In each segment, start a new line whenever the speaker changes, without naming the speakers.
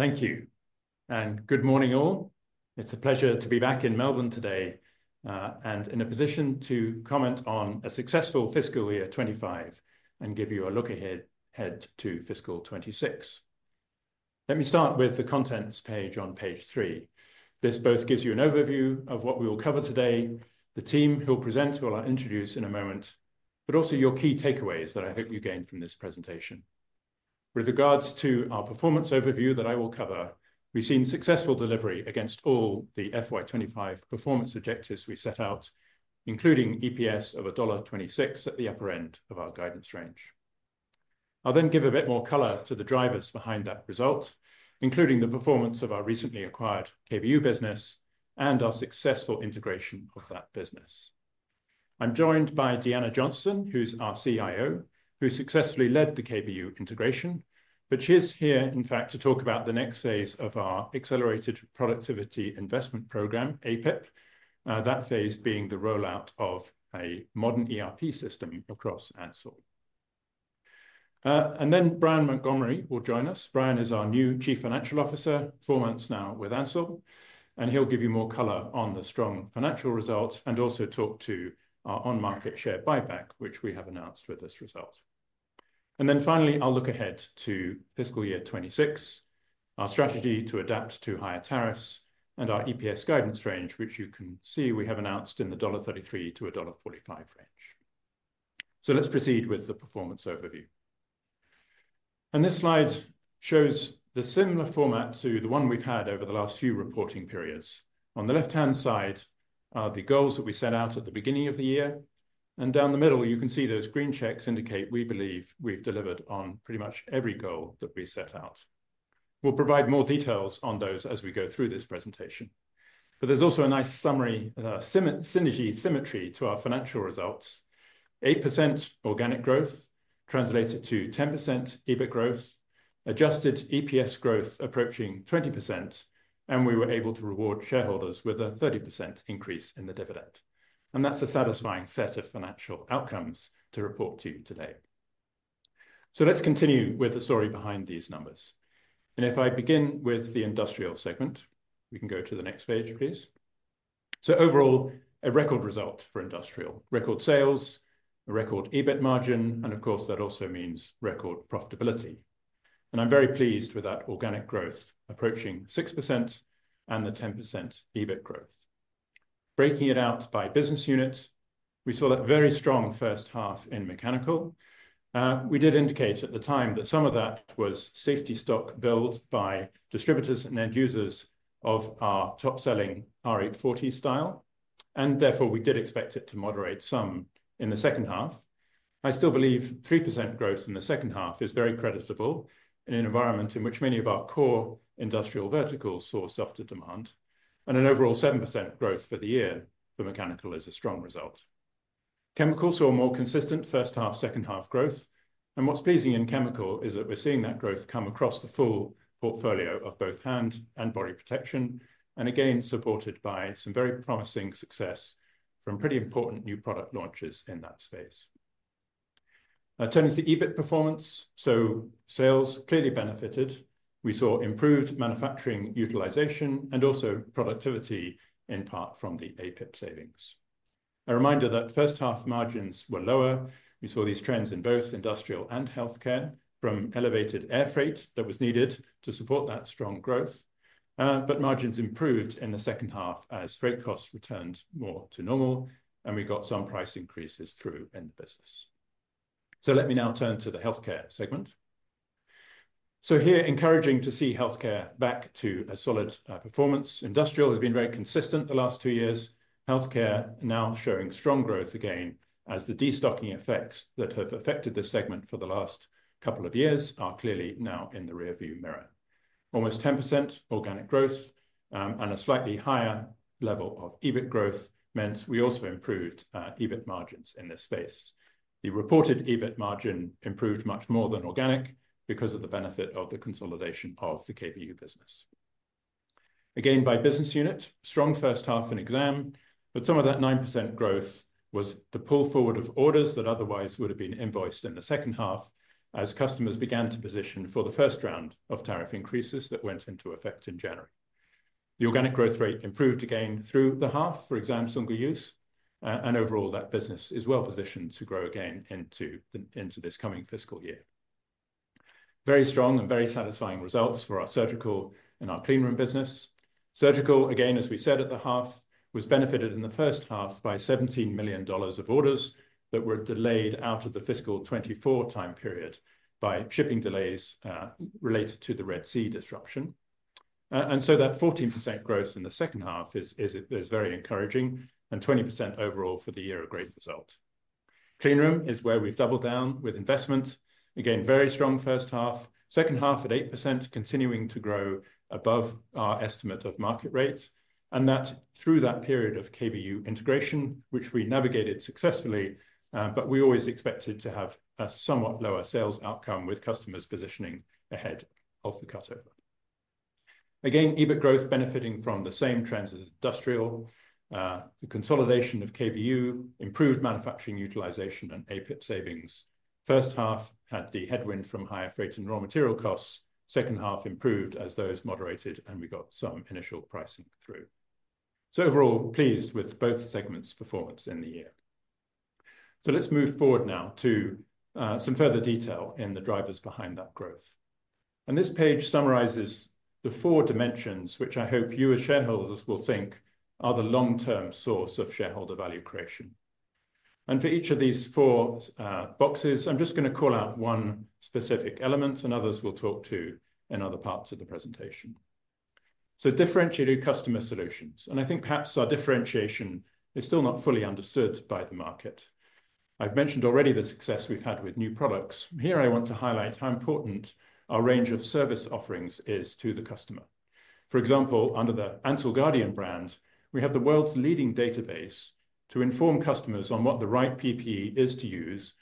Thank you and good morning all. It's a pleasure to be back in Melbourne today and in a position to comment on a successful fiscal year 2025 and give you a look ahead to fiscal 2026. Let me start with the contents page on page three. This both gives you an overview of what we will cover today, the team who will present, who I will introduce in a moment, but also your key takeaways that I hope you gain from this presentation. With regards to our performance overview that I will cover, we've seen successful delivery against all the FY 2025 performance objectives we set out, including adjusted EPS of $1.26 at the upper end of our guidance range. I'll then give a bit more color to the drivers behind that result, including the performance of our recently acquired KBU business and our successful integration of that business. I'm joined by Deanna Johnston who's our Chief Information Officer who successfully led the KBU integration. She is here in fact to talk about the next phase of our Accelerated Productivity Investment Programme, APIP. That phase being the rollout of a modern ERP system across Ansell. Brian Montgomery will join us. Brian is our new Chief Financial Officer. Four months now with Ansell and he'll give you more color on the strong financial results and also talk to our on-market share buyback which we have announced with this result. Finally, I'll look ahead to fiscal year 2026, our strategy to adapt to higher tariffs and our adjusted EPS guidance range which you can see we have announced in the $1.33 to $1.45 range. Let's proceed with the performance overview and this slide shows the similar format to the one we've had over the last few reporting periods. On the left hand side are the goals that we set out at the beginning of the year and down the middle you can see those green checks indicate we believe we've delivered on pretty much every goal that we set out. We'll provide more details on those as we go through this presentation. There's also a nice summary symmetry to our financial results. 8% organic growth translated to 10% EBIT growth, adjusted EPS growth approaching 20% and we were able to reward shareholders with a 30% increase in the dividend and that's a satisfying set of financial outcomes to report to you today. Let's continue with the story behind these numbers and if I begin with the industrial segment we can go to the next page please. Overall, a record result for Industrial, record sales, a record EBIT margin, and of course that also means record profitability and I'm very pleased with that. Organic growth approaching 6% and the 10% EBIT growth. Breaking it out by business unit, we saw a very strong first half in Mechanical. We did indicate at the time that some of that was safety stock build by distributors and end users of our top selling R840 style, and therefore we did expect it to moderate some in the second half. I still believe 3% growth in the second half is very creditable in an environment in which many of our core industrial verticals saw softer demand, and an overall 7% growth for the year for Mechanical is a strong result. Chemical saw more consistent first half, second half growth, and what's pleasing in Chemical is that we're seeing that growth come across the full portfolio of both hand and body protection, and again supported by some very promising success from pretty important new product launches in that space. Turning to EBIT performance, sales clearly benefited. We saw improved manufacturing utilization and also productivity, in part from the APIP savings, a reminder that first half margins were lower. We saw these trends in both Industrial and Healthcare from elevated air freight that was needed to support that strong growth. Margins improved in the second half as freight costs returned more to normal and we got some price increases through end business. Let me now turn to the Healthcare segment. Here, encouraging to see Healthcare back to a solid performance. Industrial has been very consistent the last two years. Healthcare now showing strong growth again as the destocking effects that have affected this segment for the last couple of years are clearly now in the rearview mirror. Almost 10% organic growth and a slightly higher level of EBIT growth meant we also improved EBIT margins in this space. The reported EBIT margin improved much more than organic because of the benefit of the consolidation of the KBU business, again by business unit. Strong first half in Exam, but some of that 9% growth was the pull forward of orders that otherwise would have been invoiced in the second half as customers began to position for the first round of tariff increases that went into effect in January. The organic growth rate improved again through the half for Exam single use, and overall that business is well positioned to grow again into this coming fiscal year. Very strong and very satisfying results for our surgical and our clean room business. Surgical, again as we said at the half, was benefited in the first half by $17 million of orders that were delayed out of the fiscal 2024 time period by shipping delays related to the Red Sea disruption, and that 14% growth in the second half is very encouraging and 20% overall for the year, a great result. Clean room is where we've doubled down with investment, again very strong first half, second half at 8%, continuing to grow above our estimate of market rates, and that through that period of KBU integration which we navigated successfully. We always expected to have a somewhat lower sales outcome with customers positioning ahead of the cutover. EBIT growth benefiting from the same trends as industrial, the consolidation of KBU, improved manufacturing utilization, and APIP savings. First half had the headwind from higher freight and raw material costs, second half improved as those moderated and we got some initial pricing through. Overall, pleased with both segments' performance in the year. Let's move forward now to some further detail in the drivers behind that growth, and this page summarizes the four dimensions which I hope you as shareholders will think are the long-term source of shareholder value creation. For each of these four boxes, I'm just going to call out one specific element and others we'll talk to in other parts of the presentation. Differentiated customer solutions, and I think perhaps our differentiation is still not fully understood by the market. I've mentioned already the success we've had with new products. Here I want to highlight how important our range of service offerings is to the customer. For example, under the AnsellGUARDIAN brand, we have the world's leading database to inform customers on what the right PPE is to use,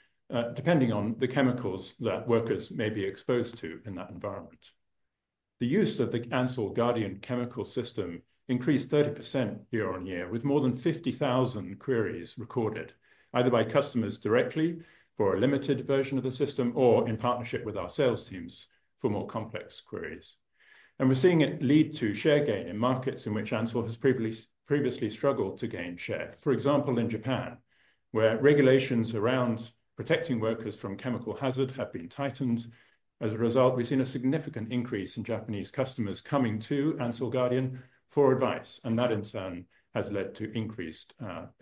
depending on the chemicals that workers may be exposed to in that environment. The use of the AnsellGUARDIAN chemical system increased 30% year on year, with more than 50,000 queries recorded either by customers directly for a limited version of the system or in partnership with our sales teams for more complex queries. We're seeing it lead to share gain in markets in which Ansell has previously struggled to gain share. For example, in Japan, where regulations around protecting workers from chemical hazard have been tightened. As a result, we've seen a significant increase in Japanese customers coming to AnsellGUARDIAN for advice, and that in turn has led to increased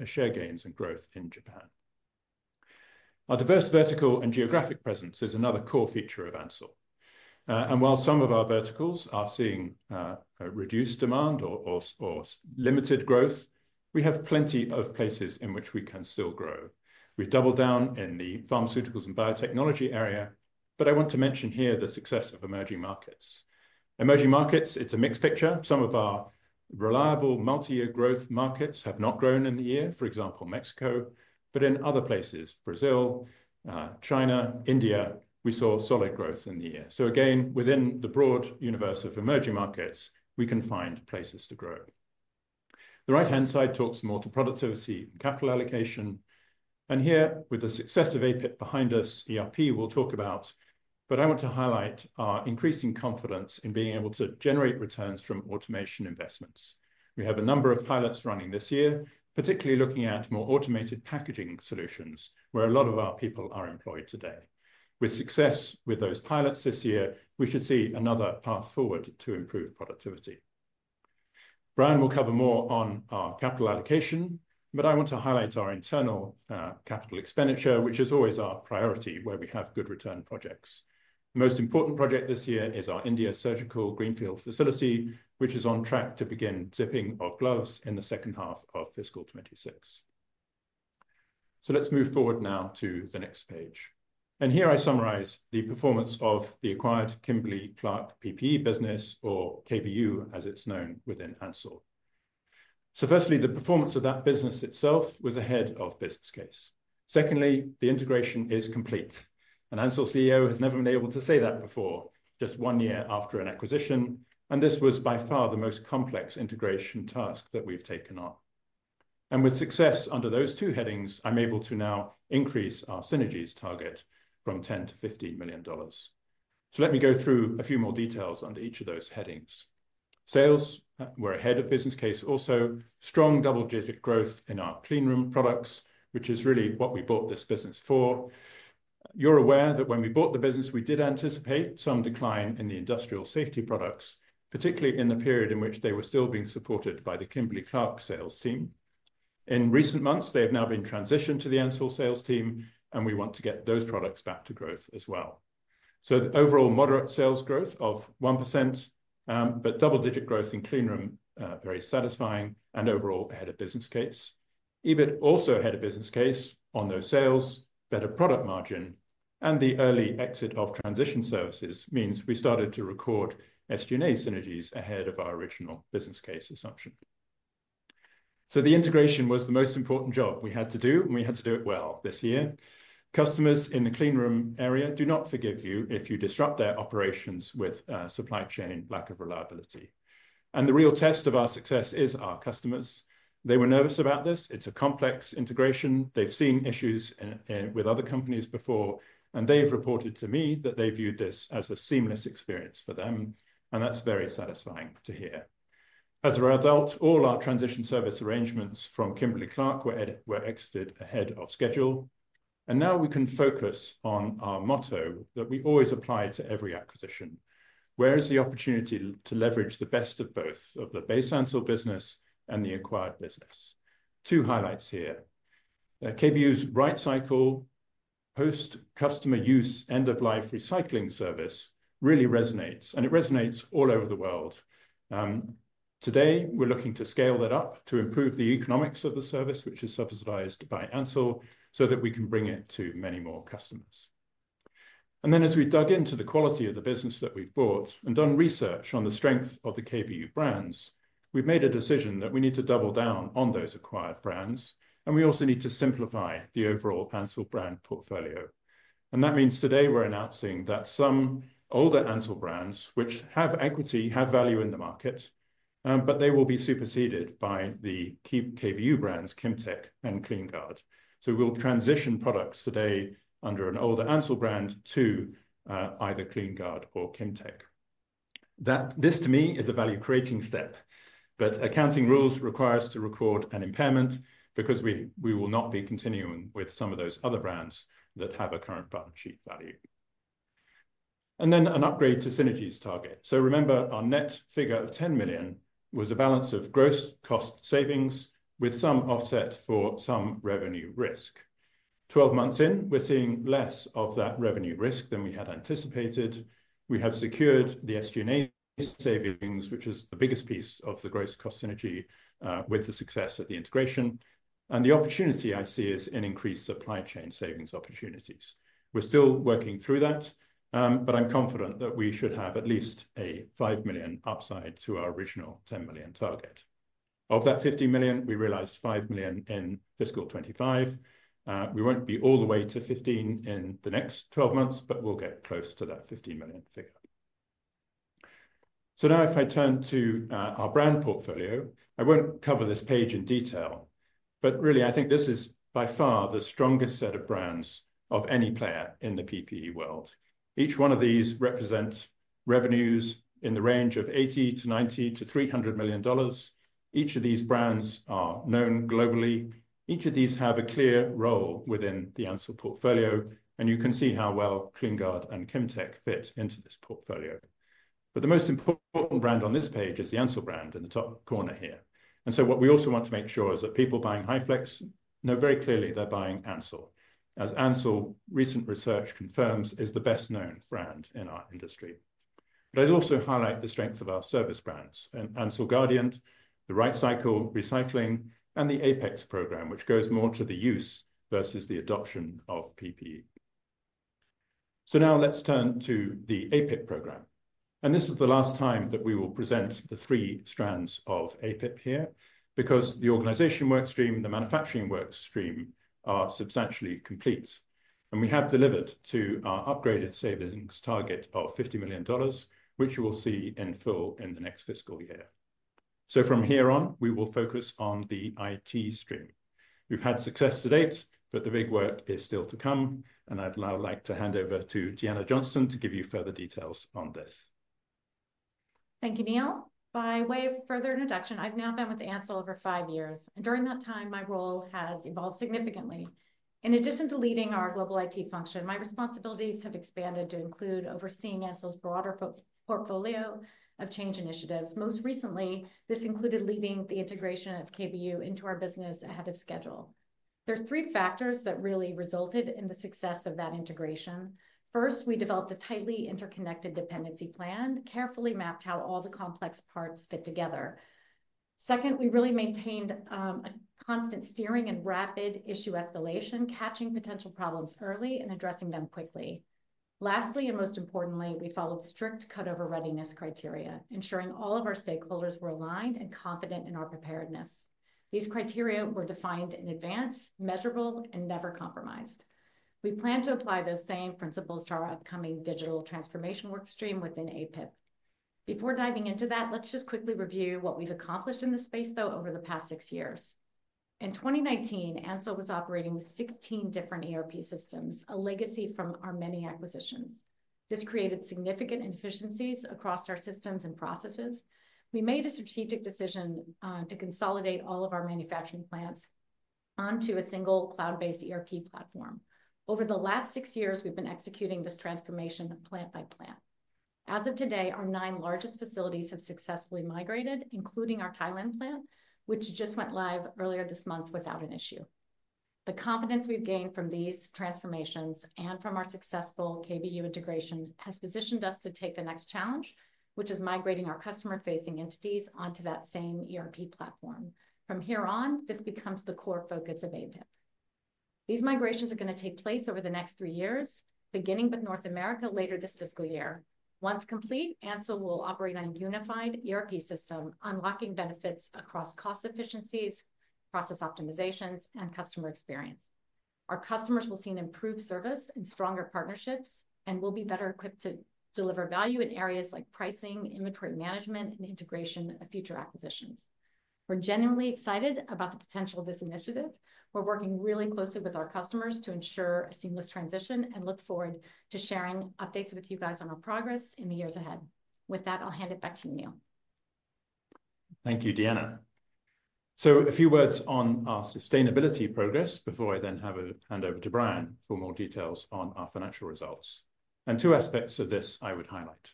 share gains and growth in Japan. Our diverse vertical and geographic presence is another core feature of Ansell. While some of our verticals are seeing reduced demand or limited growth, we have plenty of places in which we can still grow. We've doubled down in the pharmaceuticals and biotechnology area. I want to mention here the success of emerging markets. Emerging markets, it's a mixed picture. Some of our reliable multi-year growth markets have not grown in the year, for example, Mexico, but in other places, Brazil, China, India, we saw solid growth in the year. Again, within the broad universe of emerging markets, we can find places to grow. The right-hand side talks more to productivity, capital allocation, and here with the success of APIP behind us, ERP will talk about, but I want to highlight our increasing confidence in being able to generate returns from automation investments. We have a number of pilots running this year, particularly looking at more automated packaging solutions where a lot of our people are employed today. With success with those pilots this year, we should see another path forward to improve productivity. Brian will cover more on our capital allocation, but I want to highlight our internal capital expenditure, which is always our priority where we have good return projects. The most important project this year is our India Surgical Greenfield facility, which is on track to begin dipping of gloves in the second half of fiscal 2026. Let's move forward now to the next page, and here I summarize the performance of the acquired Kimberly-Clark PPE business, or KBU as it's known within Ansell. Firstly, the performance of that business itself was ahead of business case. Secondly, the integration is complete, and Ansell CEO has never been able to say that before. Just one year after an acquisition, and this was by far the most complex integration task that we've taken on, and with success under those two headings, I'm able to now increase our synergies target from $10 million-$15 million. Let me go through a few more details under each of those headings. Sales were ahead of business case. Also, strong double-digit growth in our clean room products, which is really what we bought this business for. You're aware that when we bought the business, we did anticipate some decline in the industrial safety products, particularly in the period in which they were still being supported by the Kimberly-Clark sales team. In recent months, they have now been transitioned to the Ansell sales team, and we want to get those products back to growth as well. Overall, moderate sales growth of 1% but double-digit growth in clean room, very satisfying and overall ahead of business case. EBIT also ahead of business case on those sales. Better product margin and the early exit of transition services means we started to record SG&A synergies ahead of our original business case assumption. The integration was the most important job we had to do, and we had to do it well this year. Customers in the clean room area do not forgive you if you disrupt their operations with supply chain lack of reliability. The real test of our success is our customers. They were nervous about this. It's a complex integration. They've seen issues with other companies before, and they've reported to me that they viewed this as a seamless experience for them. That's very satisfying to hear. As a result, all our transition service arrangements from Kimberly-Clark were exited ahead of schedule. Now we can focus on our motto that we always apply to every acquisition: Where is the opportunity to leverage the best of both of the base Ansell business and the acquired business? Two highlights here. KBU's RightCycle post-customer use end-of-life recycling service really resonates, and it resonates all over the world. Today, we're looking to scale that up to improve the economics of the service, which is subsidized by Ansell, so that we can bring it to many more customers. As we've dug into the quality of the business that we've bought and done research on the strength of the KBU brands, we've made a decision that we need to double down on those acquired brands, and we also need to simplify the overall Ansell brand portfolio. That means today we're announcing that some older Ansell brands, which have equity, have value in the market, but they will be superseded by the key KBU brands, Kimtech and KleenGuard. We'll transition products today under an older Ansell brand to either KleenGuard or Kimtech. This to me is a value-creating step. Accounting rules require us to record an impairment because we will not be continuing with some of those other brands that have a current balance sheet value, and then an upgrade to synergies target. Remember our net figure of $10 million was a balance of gross cost savings with some offset for some revenue risk. Twelve months in, we're seeing less of that revenue risk than we had anticipated. We have secured the SG&A savings, which is the biggest piece of the gross cost synergy with the success of the integration, and the opportunity I see is in increased supply chain savings opportunities. We're still working through that, but I'm confident that we should have at least a $5 million upside to our original $10 million target. Of that $15 million, we realized $5 million in fiscal 2025. We won't be all the way to $15 million in the next twelve months, but we'll get close to that $15 million figure. If I turn to our brand portfolio, I won't cover this page in detail, but really I think this is by far the strongest set of brands of any player in the PPE world. Each one of these represents revenues in the range of $80 million to $90 million to $300 million. Each of these brands are known globally. Each of these have a clear role within the Ansell portfolio, and you can see how well KleenGuard and Kimtech fit into this portfolio. The most important brand on this page is the Ansell brand in the top corner here. What we also want to make sure is that people buying HyFlex know very clearly they're buying Ansell, as Ansell recent research confirms is the best known brand in our industry. I also highlight the strength of our service brands, AnsellGUARDIAN, the RightCycle recycling, and the Apex Program, which goes more to the use versus the adoption of PPE. Let's turn to the APIP program, and this is the last time that we will present the three strands of APIP here because the organization work stream and the manufacturing work stream are substantially complete, and we have delivered to our upgraded savings target of $50 million, which you will see in full in the next fiscal year. From here on, we will focus on the IT stream. We've had success to date, but the big work is still to come, and I'd now like to hand over to Deanna Johnston to give you further details on this.
Thank you, Neil. By way of further introduction, I've now been with Ansell over five years and during that time my role has evolved significantly. In addition to leading our global IT function, my responsibilities have expanded to include overseeing Ansell's broader portfolio of change initiatives. Most recently, this included leading the integration of KBU into our business ahead of schedule. There are three factors that really resulted in the success of that integration. First, we developed a tightly interconnected dependency plan, carefully mapped how all the complex parts fit together. Second, we really maintained a constant steering and rapid issue escalation, catching potential problems early and addressing them quickly. Lastly, and most importantly, we followed strict cutover readiness criteria, ensuring all of our stakeholders were aligned and confident in our preparedness. These criteria were defined in advance, measurable, and never compromised. We plan to apply those same principles to our upcoming digital transformation work stream within APIP. Before diving into that, let's just quickly review what we've accomplished in the space though over the past six years. In 2019, Ansell was operating 16 different ERP systems, a legacy from our many acquisitions. This created significant inefficiencies across our systems and processes. We made a strategic decision to consolidate all of our manufacturing plants onto a single cloud-based ERP platform. Over the last six years, we've been executing this transformation plant by plant. As of today, our nine largest facilities have successfully migrated, including our Thailand plant, which just went live earlier this month without an issue. The confidence we've gained from these transformations and from our successful KBU integration has positioned us to take the next challenge, which is migrating our customer-facing entities onto that same ERP platform. From here on, this becomes the core focus of APIP. These migrations are going to take place over the next three years, beginning with North America later this fiscal year. Once complete, Ansell will operate on a unified ERP system, unlocking benefits across cost efficiencies, process optimizations, and customer experience. Our customers will see an improved service and stronger partnerships, and we will be better equipped to deliver value in areas like pricing, inventory management, and integration of future acquisitions. We're genuinely excited about the potential of this initiative. We're working really closely with our customers to ensure a seamless transition and look forward to sharing updates with you on our progress in the years ahead. With that, I'll hand it back to Neil.
Thank you, Deanna. A few words on our sustainability progress before I then hand over to Brian for more details on our financial results, and two aspects of this I would highlight.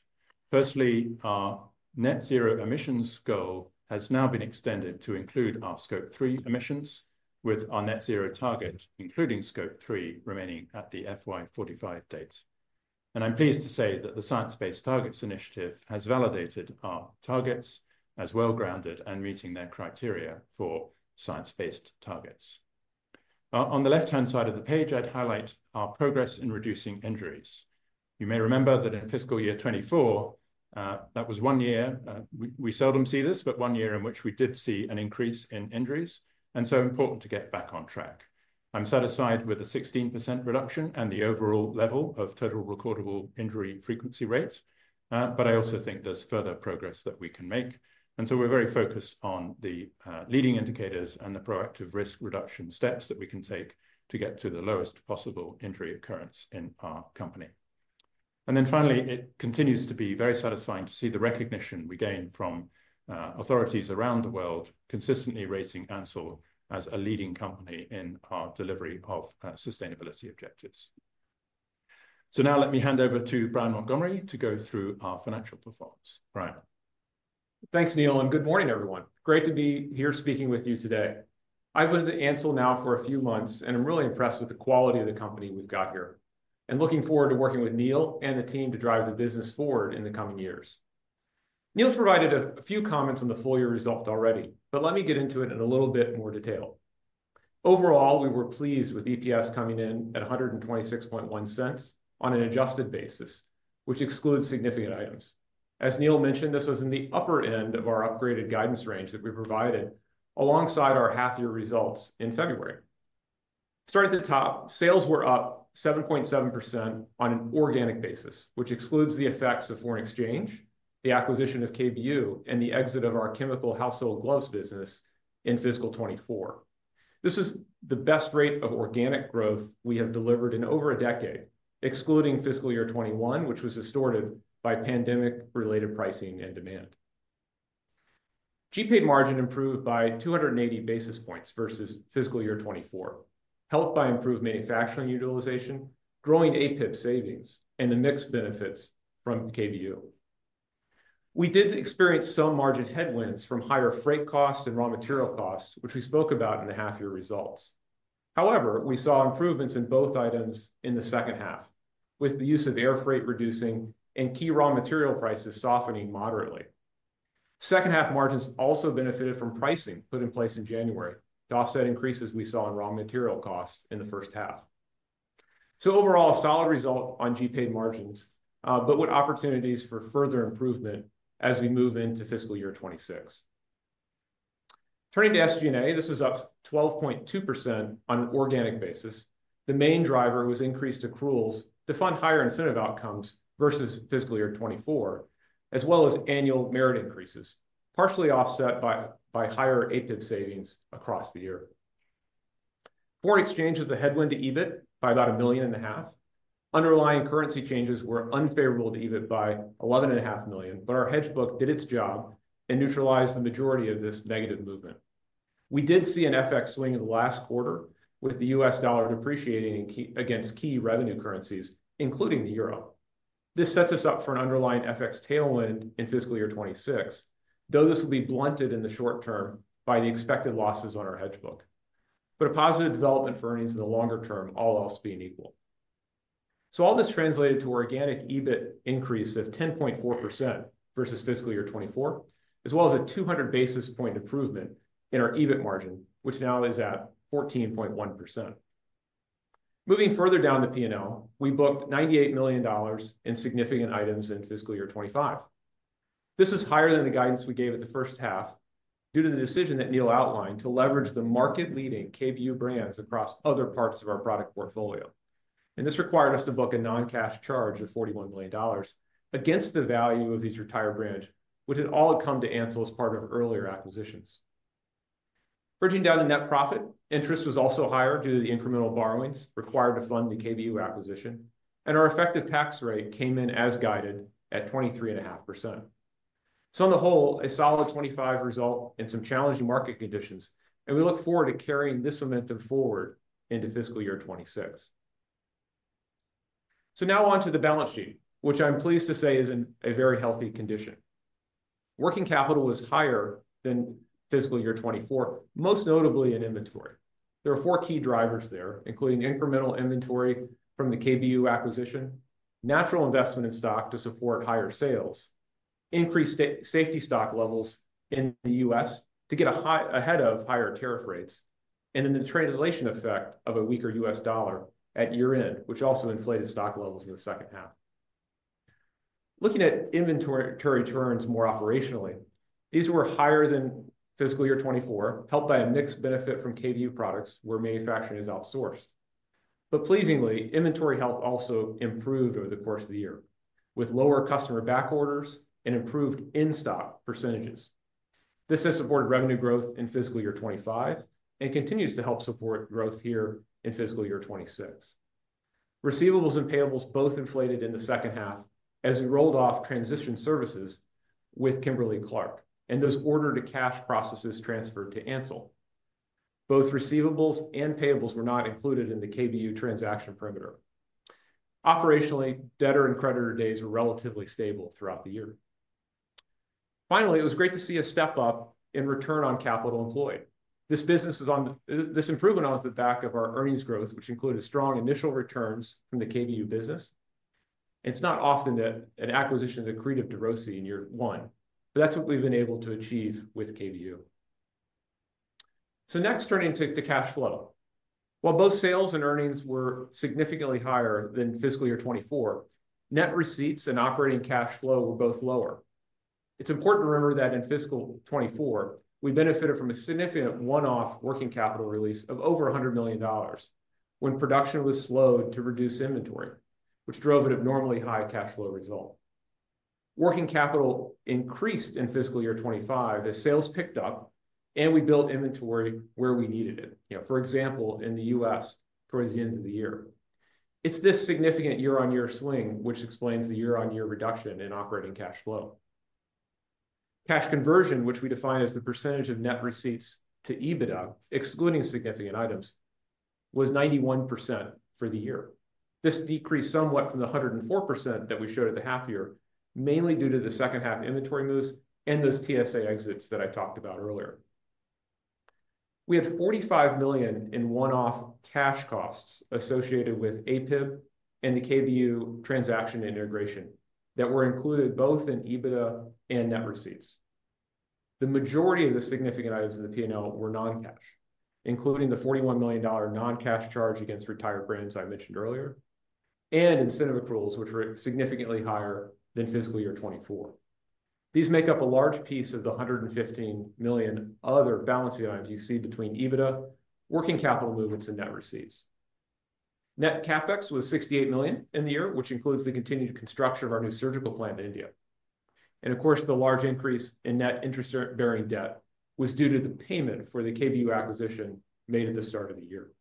Firstly, our net zero emissions goal has now been extended to include our scope 3 emissions, with our net zero target including scope 3 remaining at the FY 2045 dates. I'm pleased to say that the Science Based Targets initiative has validated our targets as well grounded and meeting their criteria for Science Based targets. On the left hand side of the page, I'd highlight our progress in reducing injuries. You may remember that in fiscal year 2024, that was one year we seldom see this, but one year in which we did see an increase in injuries, and it is important to get back on track. I'm satisfied with a 16% reduction in the overall level of total recordable injury frequency rates. I also think there's further progress that we can make, and we're very focused on the leading indicators and the proactive risk reduction steps that we can take to get to the lowest possible injury occurrence in our company. It continues to be very satisfying to see the recognition we gain from authorities around the world consistently rating Ansell as a leading company in our delivery of sustainability objectives. Now let me hand over to Brian Montgomery to go through our financial performance.
Brian, thanks Neil, and good morning everyone. Great to be here speaking with you today. I've been with Ansell now for a few months and I'm really impressed with the quality of the company we've got here and looking forward to working with Neil and the team to drive the business forward in the coming years. Neil's provided a few comments on the full year result already, but let me get into it in a little bit more detail. Overall, we were pleased with EPS coming in at $126.1 on an adjusted basis, which excludes significant items. As Neil mentioned, this was in the upper end of our upgraded guidance range that we provided alongside our half year results in February. Starting at the top, sales were up 7.7% on an organic basis, which excludes the effects of foreign exchange, the acquisition of KBU, and the exit of our chemical household gloves business in fiscal 2024. This is the best rate of organic growth we have delivered in over a decade, excluding fiscal year 2021, which was distorted by pandemic-related pricing and demand. [GP&AID] margin improved by 280 basis points versus fiscal year 2024, helped by improved manufacturing utilization, growing APIP savings, and the mix benefits from KBU. We did experience some margin headwinds from higher freight costs and raw material costs, which we spoke about in the half year results. However, we saw improvements in both items in the second half, with the use of air freight reducing and key raw material prices softening moderately. Second half margins also benefited from pricing put in place in January to offset increases we saw in raw material costs in the first half. Overall, a solid result on [GP&AID] margins but with opportunities for further improvement as we move into fiscal year 2026. Turning to SGA, this was up 12.2% on an organic basis. The main driver was increased accruals to fund higher incentive outcomes versus fiscal year 2024, as well as annual merit increases, partially offset by higher APIP savings across the year. Foreign exchange is a headwind to EBIT by about $1.5 million. Underlying currency changes were unfavorable to EBIT by $11.5 million, but our hedge book did its job and neutralized the majority of this negative movement. We did see an FX swing in the last quarter with the U.S. dollar depreciating against key revenue currencies including the Euro. This sets us up for an underlying FX tailwind in fiscal year 2026, though this will be blunted in the short term by the expected losses on our hedge book, but a positive development for earnings in the longer term, all else being equal. All this translated to organic EBIT increase of 10.4% versus fiscal year 2024 as well as a 200 basis point improvement in our EBIT margin, which now is at 14.1%. Moving further down the P&L, we booked $98 million in significant items in fiscal year 2025. This is higher than the guidance we gave at the first half due to the decision that Neil Salmon outlined to leverage the market leading KBU brands across other parts of our product portfolio, and this required us to book a non-cash charge of $41 million against the value of each retired brand which had all come to Ansell as part of earlier acquisitions, bridging down to net profit. Interest was also higher due to the incremental borrowings required to fund the KBU acquisition, and our effective tax rate came in as guided at 23.5%. On the whole, a solid 2025 result in some challenging market conditions, and we look forward to carrying this momentum forward into fiscal year 2026. Now on to the balance sheet, which I'm pleased to say is in a very healthy condition. Working capital was higher than fiscal year 2024, most notably in inventory. There are four key drivers there, including incremental inventory from the KBU acquisition, natural investment in stock to support higher sales, increased safety stock levels in the U.S. to get ahead of higher tariff rates, and then the translation effect of a weaker U.S. dollar at year end, which also inflated stock levels in the second half. Looking at inventory turns more operationally, these were higher than fiscal year 2024, helped by a mixed benefit from KBU products where manufacturing is outsourced. Pleasingly, inventory health also improved over the course of the year with lower customer backorders and improved in-stock percentages. This has supported revenue growth in fiscal year 2025 and continues to help support growth here in fiscal year 2026. Receivables and payables both inflated in the second half as we rolled off transition services with Kimberly-Clark and those order to cash processes transferred to Ansell. Both receivables and payables were not included in the KBU transaction perimeter. Operationally, debtor and creditor days were relatively stable throughout the year. Finally, it was great to see a step up in return on capital employed. This business is on this improvement off the back of our earnings growth, which included strong initial returns from the KBU business. It's not often that an acquisition is accretive to ROCE in year one, but that's what we've been able to achieve with KBU. Next, turning to cash flow. While both sales and earnings were significantly higher than fiscal year 2024, net receipts and operating cash flow were both lower. It's important to remember that in fiscal 2024 we benefited from a significant one-off working capital release of over $100 million when production was slowed to reduce inventory, which drove an abnormally high cash flow result. Working capital increased in fiscal year 2025 as sales picked up and we built inventory where we needed it. For example, in the U.S. towards the end of the year. It's this significant year-on-year swing which explains the year-on-year reduction in operating cash flow. Cash conversion, which we define as the percentage of net receipts to EBITDA excluding significant items, was 91% for the year. This decreased somewhat from the 104% that we showed at the half year, mainly due to the second half inventory moves and those TSA exits that I talked about earlier. We have $45 million in one-off cash costs associated with APIP and the KBU transaction integration that were included both in EBITDA and net receipts. The majority of the significant items of the P&L were non-cash, including the $41 million non-cash charge against retired brands I mentioned earlier and incentive accruals, which were significantly higher than fiscal year 2024. These make up a large piece of the $115 million other balance items you see between EBITDA, working capital movements, and net receipts. Net CapEx was $68 million in the year, which includes the continued construction of our new surgical plant in India. Of course, the large increase in net interest-bearing debt was due to the payment for the KBU acquisition made at the start of the year.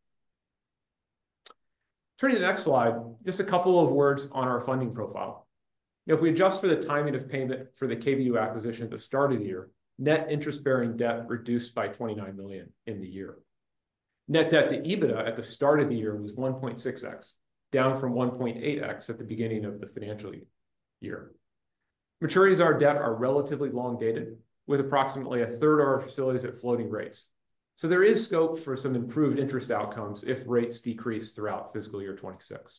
Turning to the next slide, just a couple of words on our funding profile. If we adjust for the timing of payment for the KBU acquisition at the start of the year, net interest-bearing debt reduced by $29 million in the year. Net debt to EBITDA at the start of the year was 1.6x, down from 1.8x at the beginning of the financial year. Maturities of our debt are relatively long-dated, with approximately a third of our facilities at floating rates. There is scope for some improved interest outcomes if rates decrease throughout fiscal year 2026.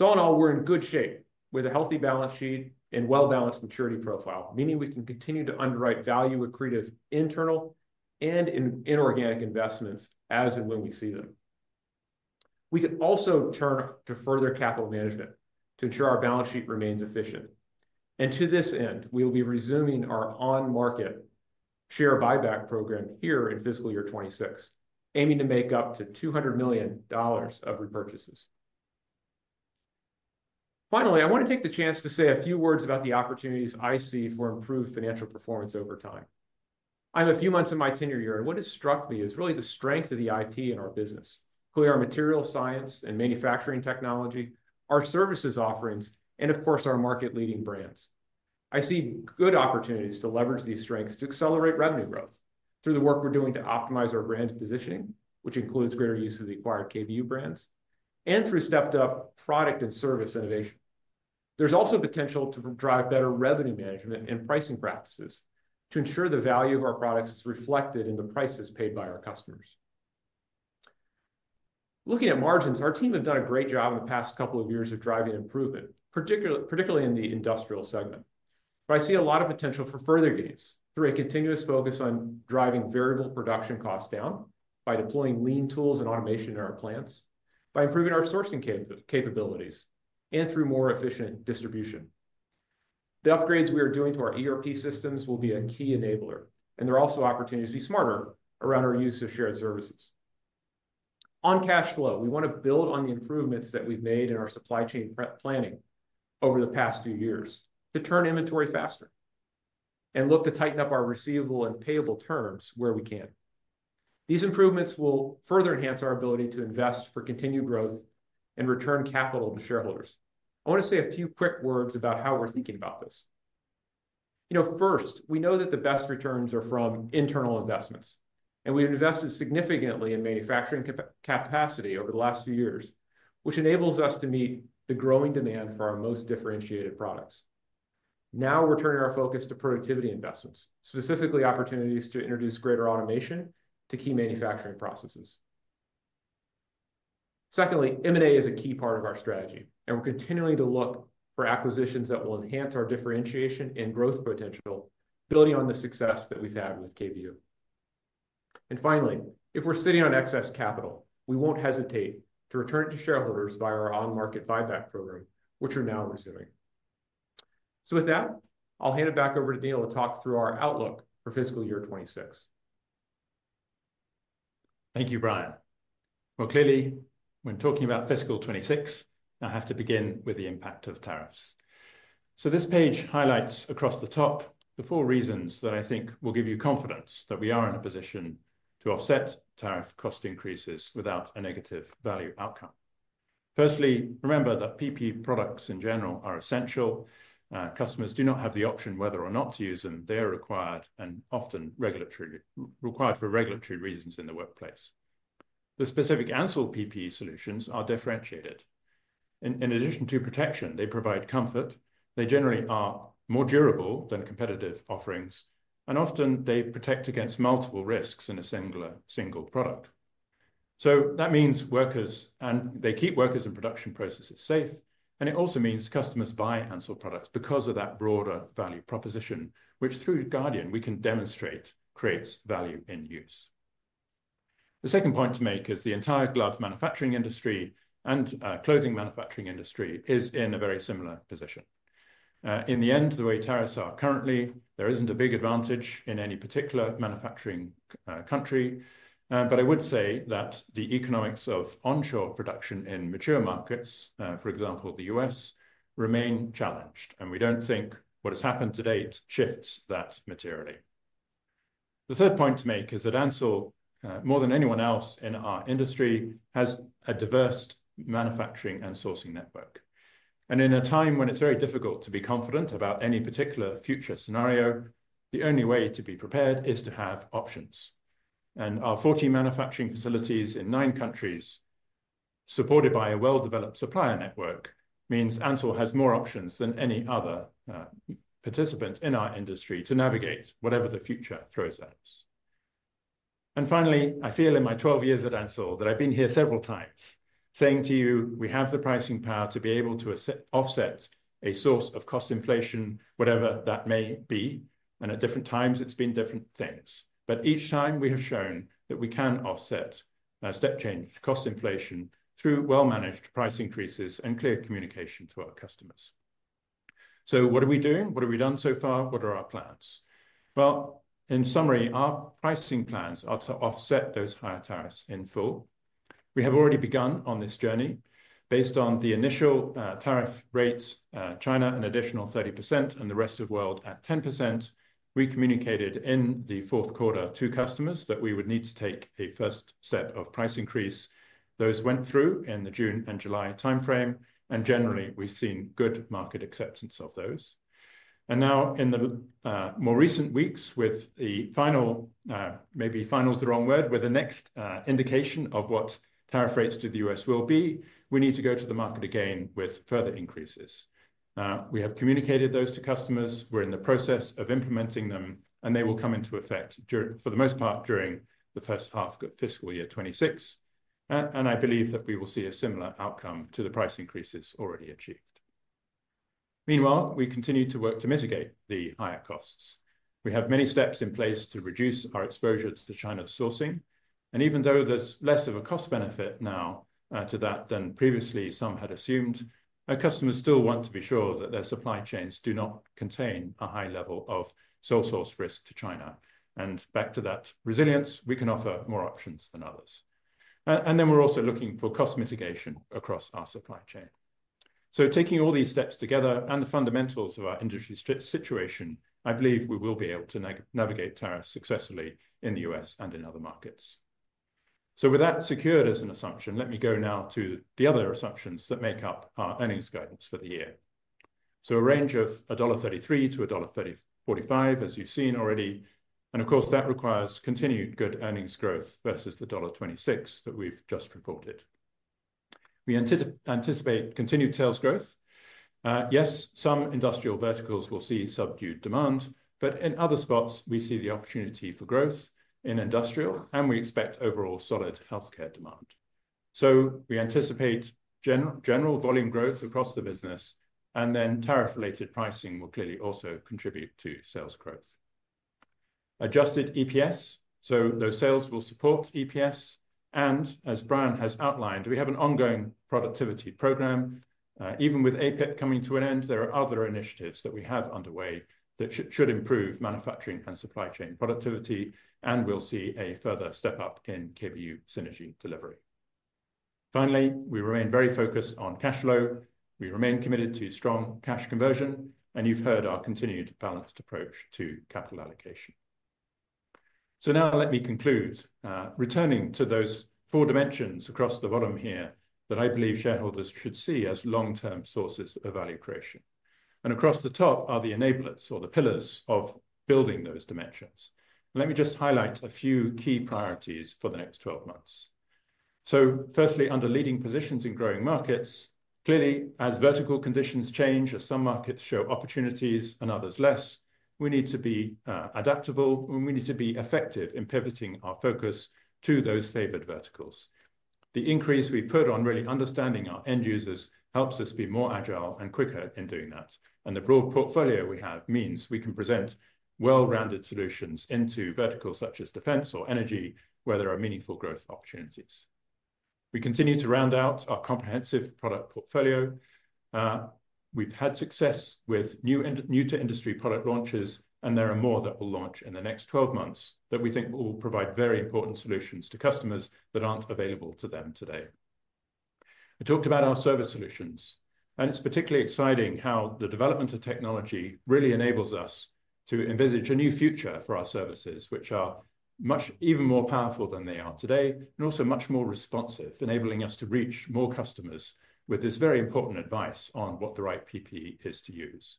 All in all, we're in good shape with a healthy balance sheet and well-balanced maturity profile, meaning we can continue to underwrite value-accretive internal and inorganic investments as and when we see them. We can also turn to further capital management to ensure our balance sheet remains efficient, and to this end, we will be resuming our on-market share buyback program here in fiscal year 2026, aiming to make up to $200 million of repurchases. Finally, I want to take the chance to say a few words about the opportunities I see for improved financial performance over time. I'm a few months into my tenure here, and what has struck me is really the strength of the IT in our business, clear material science and manufacturing technology, our services offerings, and of course our market-leading brands. I see good opportunities to leverage these strengths to accelerate revenue growth through the work we're doing to optimize our brand positioning, which includes greater use of the acquired KBU brands, and through stepped-up product and service innovation. There's also potential to drive better revenue management and pricing practices to ensure the value of our products is reflected in the prices paid by our customers. Looking at margins, our team have done a great job in the past couple of years of driving improvement, particularly in the industrial segment. I see a lot of potential for further gains through a continuous focus on driving variable production costs down by deploying lean tools and automation in our plants, by improving our sourcing capabilities, and through more efficient distribution. The upgrades we are doing to our ERP systems will be a key enabler, and there are also opportunities to be smarter around our use of shared services. On cash flow, we want to build on the improvements that we've made in our supply chain planning over the past few years to turn inventory faster and look to tighten up our receivable and payable terms where we can. These improvements will further enhance our ability to invest for continued growth and return capital to shareholders. I want to say a few quick words about how we're thinking about this. You know, first, we know that the best returns are from internal investments and we've invested significantly in manufacturing capacity over the last few years, which enables us to meet the growing demand for our most differentiated products. Now we're turning our focus to productivity investments, specifically opportunities to introduce greater automation to key manufacturing processes. Secondly, M&A is a key part of our strategy and we're continuing to look for acquisitions that will enhance our differentiation and growth potential, building on the success that we've had with KBU. Finally, if we're sitting on excess capital, we won't hesitate to return it to shareholders via our on-market share buyback program, which we are now resuming. With that, I'll hand it back over to Neil to talk through our outlook for fiscal year 2026.
Thank you, Brian. Clearly, when talking about fiscal 2026, I have to begin with the impact of tariffs. This page highlights across the top the four reasons that I think will give you confidence that we are in a position to offset tariff cost increases without a negative value outcome. Firstly, remember that PPE products in general are essential. Customers do not have the option whether or not to use them. They are required, and often required for regulatory reasons. In the workplace, the specific Ansell PPE solutions are differentiated. In addition to protection, they provide comfort. They generally are more durable than competitive offerings and often they protect against multiple risks in a single product. That means they keep workers and production processes safe. It also means customers buy Ansell products because of that broader value proposition, which through Guardian we can demonstrate creates value in use. The second point to make is the entire gloves manufacturing industry and clothing manufacturing industry is in a very similar position. In the end, the way tariffs are currently, there isn't a big advantage in any particular manufacturing country. I would say that the economics of onshore production in mature markets, for example, the U.S., remain challenged and we don't think what has happened to date shifts that materially. The third point to make is that Ansell, more than anyone else in our industry, has a diverse manufacturing and sourcing network. In a time when it's very difficult to be confident about any particular future scenario, the only way to be prepared is to have options. Our 14 manufacturing facilities in nine countries, supported by a well-developed supplier network, means Ansell has more options than any other participant in our industry to navigate whatever the future throws at us. Finally, I feel in my 12 years at Ansell that I've been here several times saying to you we have the pricing power to be able to offset a source of cost inflation, whatever that may be. At different times it's been different things. Each time we have shown that we can offset step change cost inflation through well-managed price increases and clear communication to our customers. What are we doing? What have we done so far? What are our plans? In summary, our pricing plans are to offset those higher tariffs in full. We have already begun on this journey based on the initial tariff rates. China an additional 30% and the rest of world at 10%. We communicated in the fourth quarter to customers that we would need to take a first step of price increase. Those went through in the June and July timeframe, and generally we've seen good market acceptance of those. In the more recent weeks with the next indication of what tariff rates to the U.S. will be, we need to go to the market again with further increases. We have communicated those to customers. We're in the process of implementing them, and they will come into effect for the most part during the first half fiscal year 2026. I believe that we will see a similar outcome to the price increases already achieved. Meanwhile, we continue to work to mitigate the higher costs. We have many steps in place to reduce our exposure to China's sourcing. Even though there's less of a cost benefit now to that than previously some had assumed, customers still want to be sure that their supply chains do not contain a high level of sole source risk to China. Back to that resilience, we can offer more options than others. We're also looking for cost mitigation across our supply chain. Taking all these steps together and the fundamentals of our industry situation, I believe we will be able to navigate tariffs successfully in the U.S. and in other markets. With that secured as an assumption, let me go now to the other assumptions that make up our earnings guidance for the year. A range of $1.33-$1.45 as you've seen already, and of course that requires continued good earnings growth versus the $1.26 that we've just reported. We anticipate continued sales growth. Yes, some industrial verticals will see subdued demand, but in other spots we see the opportunity for growth in industrial, and we expect overall solid healthcare demand. We anticipate general volume growth across the business, and then tariff related pricing will clearly also contribute to sales growth. Adjusted EPS. Those sales will support EPS. As Brian Montgomery has outlined, we have an ongoing productivity program. Even with APIP coming to an end, there are other initiatives that we have underway that should improve manufacturing and supply chain productivity, and we'll see a further step up in KBU synergy delivery. Finally, we remain very focused on cash flow. We remain committed to strong cash conversion, and you've heard our continued balanced approach to capital allocation. Now let me conclude, returning to those four dimensions across the bottom here that I believe shareholders should see as long-term sources of value creation, and across the top are the enablers or the pillars of building those dimensions. Let me just highlight a few key priorities for the next 12 months. Firstly, under leading positions in growing markets, clearly as vertical conditions change, as some markets show opportunities and others less, we need to be adaptable and we need to be effective in pivoting our focus to those favored verticals. The increase we put on really understanding our end users helps us be more agile and quicker in doing that. The broad portfolio we have means we can present well-rounded solutions into verticals such as defense or energy, where there are meaningful growth opportunities. We continue to round out our comprehensive product portfolio. We've had success with new-to-industry product launches, and there are more that will launch in the next 12 months that we think will provide very important solutions to customers that aren't available to them. Today I talked about our service solutions, and it's particularly exciting how the development of technology really enables us to envisage a new future for our services, which are much even more powerful than they are today and also much more responsive, enabling us to reach more customers with this very important advice on what the right PPE is to use.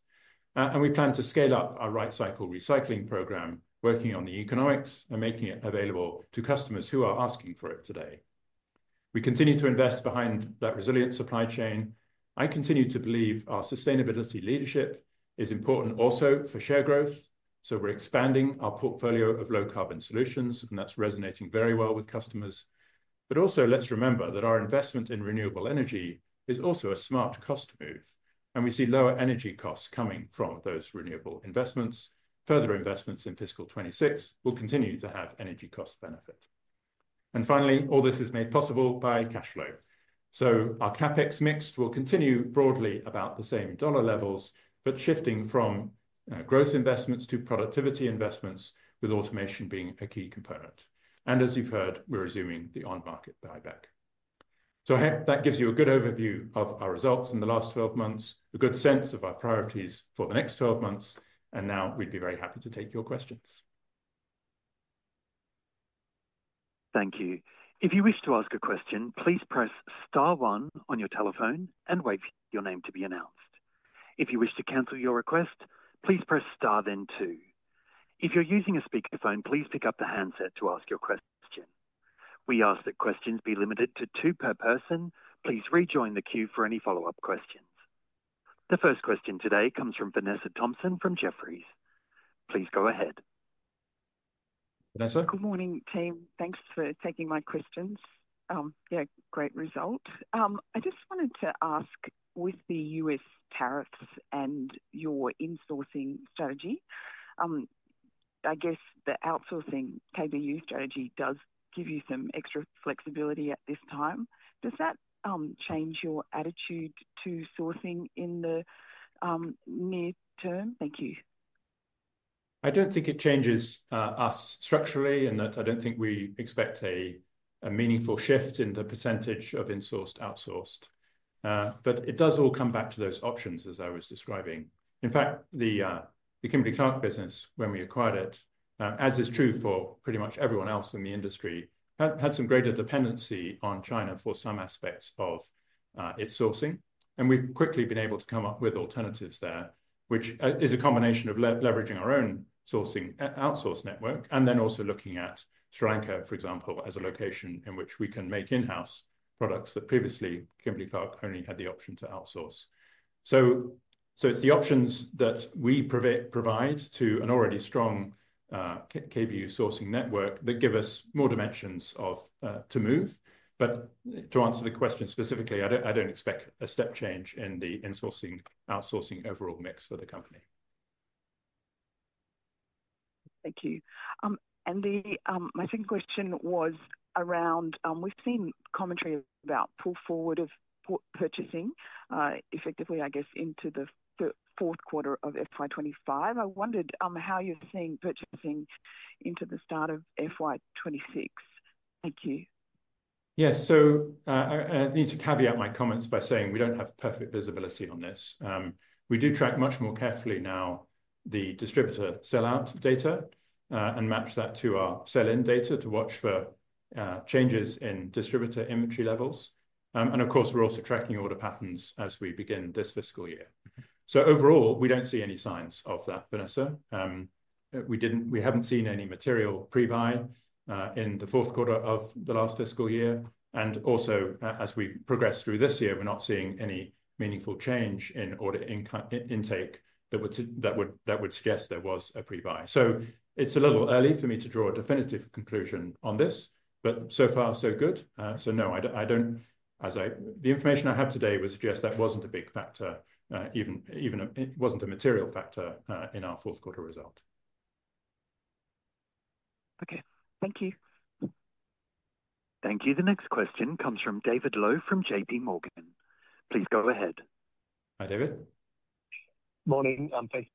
We plan to scale up our RightCycle recycling program, working on the economics and making it available to customers who are asking for it. Today we continue to invest behind that resilient supply chain. I continue to believe our sustainability leadership is important also for share growth. We're expanding our portfolio of low carbon solutions, and that's resonating very well with customers. Also, let's remember that our investment in renewable energy is also a smart cost move, and we see lower energy costs coming from those renewable investments. Further investments in fiscal 2026 will continue to have energy cost benefit. Finally, all this is made possible by cash flow. Our CapEx mix will continue broadly about the same dollar levels but shifting from growth investments to productivity investments, with automation being a key component. As you've heard, we're resuming the on-market share buyback program. I hope that gives you a good overview of our results in the last 12 months and a good sense of our priorities for the next 12 months. We would be very happy to take your questions.
Thank you. If you wish to ask a question, please press star one on your telephone and wait for your name to be announced. If you wish to cancel your request, please press star then two. If you're using a speakerphone, please pick up the handset to ask your question. We ask that questions be limited to two per person. Please rejoin the queue for any follow up questions. The first question today comes from Vanessa Thomson from Jefferies. Please go ahead. Vanessa.
Good morning team. Thanks for taking my questions. Yeah, great result. I just wanted to ask with the U.S. tariffs and your insourcing strategy, I guess the outsourcing KBU strategy does give you some extra flexibility at this time. Does that change your attitude to sourcing in the near term? Thank you.
I don't think it changes us structurally, and I don't think we expect a meaningful shift in the percentage of in-sourced, outsourced. It does all come back to those options as I was describing. In fact, the Kimberly-Clark business, when we acquired it, as is true for pretty much everyone else in the industry, had some greater dependency on China for some aspects of its sourcing, and we've quickly been able to come up with alternatives there, which is a combination of leveraging our own sourcing, outsource network, and then also looking at Sri Lanka, for example, as a location in which we can make in-house products that previously Kimberly-Clark only had the option to outsource. It's the options that we provide to an already strong KBU sourcing network that give us more dimensions to move. To answer the question specifically, I don't expect a step change in the outsourcing overall mix for the company.
Thank you. My second question was around we've seen commentary about pull forward of purchasing effectively, I guess into the fourth quarter of FY 2025. I wondered how you're seeing purchasing into the start of FY 2026. Thank you.
Yes. I need to caveat my comments by saying we don't have perfect visibility on this. We do track much more carefully now the distributor sellout data and match that to our sell-in data to watch for changes in distributor inventory levels. Of course, we're also tracking order patterns as we begin this fiscal year. Overall, we don't see any signs of that, Vanessa. We haven't seen any material pre-buy in the fourth quarter of the last fiscal year, and also as we progress through this year, we're not seeing any meaningful change in order intake that would suggest there was a pre-buy. It's a little early for me to draw a definitive conclusion on this, but so far so good. No, I don't. The information I have today would suggest that wasn't a big factor, it wasn't a material factor in our fourth quarter result.
Okay, thank you.
Thank you. The next question comes from David Low from JP Morgan. Please go ahead.
Hi David.
Morning. Thank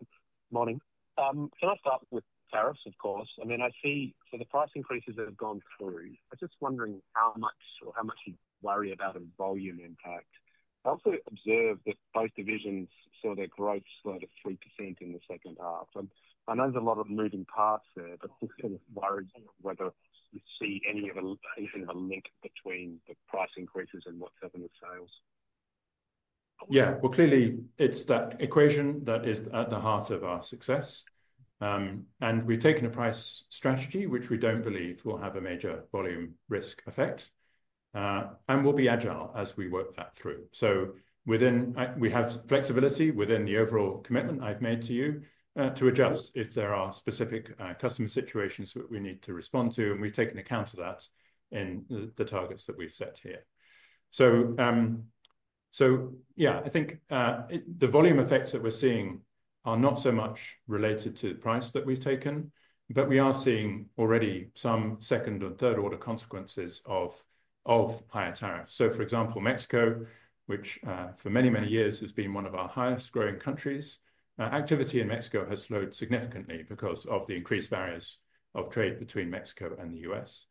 you. Morning. Can I start with tariffs? Of course. I mean I see the price increases that have gone through. I'm just wondering how much or how much you worry about in volume impact. I also observed that both divisions saw their growth slow to 3% in the second half. I know there's a lot of moving parts there, but worries whether you see any of even a link between the price increases and what's up in the sales.
Yeah, clearly it's that equation that is at the heart of our success. We've taken a price strategy which we don't believe will have a major volume risk effect, and we'll be agile as we work that through. We have flexibility within the overall commitment I've made to you to adjust if there are specific customer situations that we need to respond to. We've taken account of that in the targets that we've set here. I think the volume effects that we're seeing are not so much related to price that we've taken, but we are seeing already some second and third order consequences of higher tariffs. For example, Mexico, which for many, many years has been one of our highest growing countries, activity in Mexico has slowed significantly because of the increased barriers of trade between Mexico and the U.S.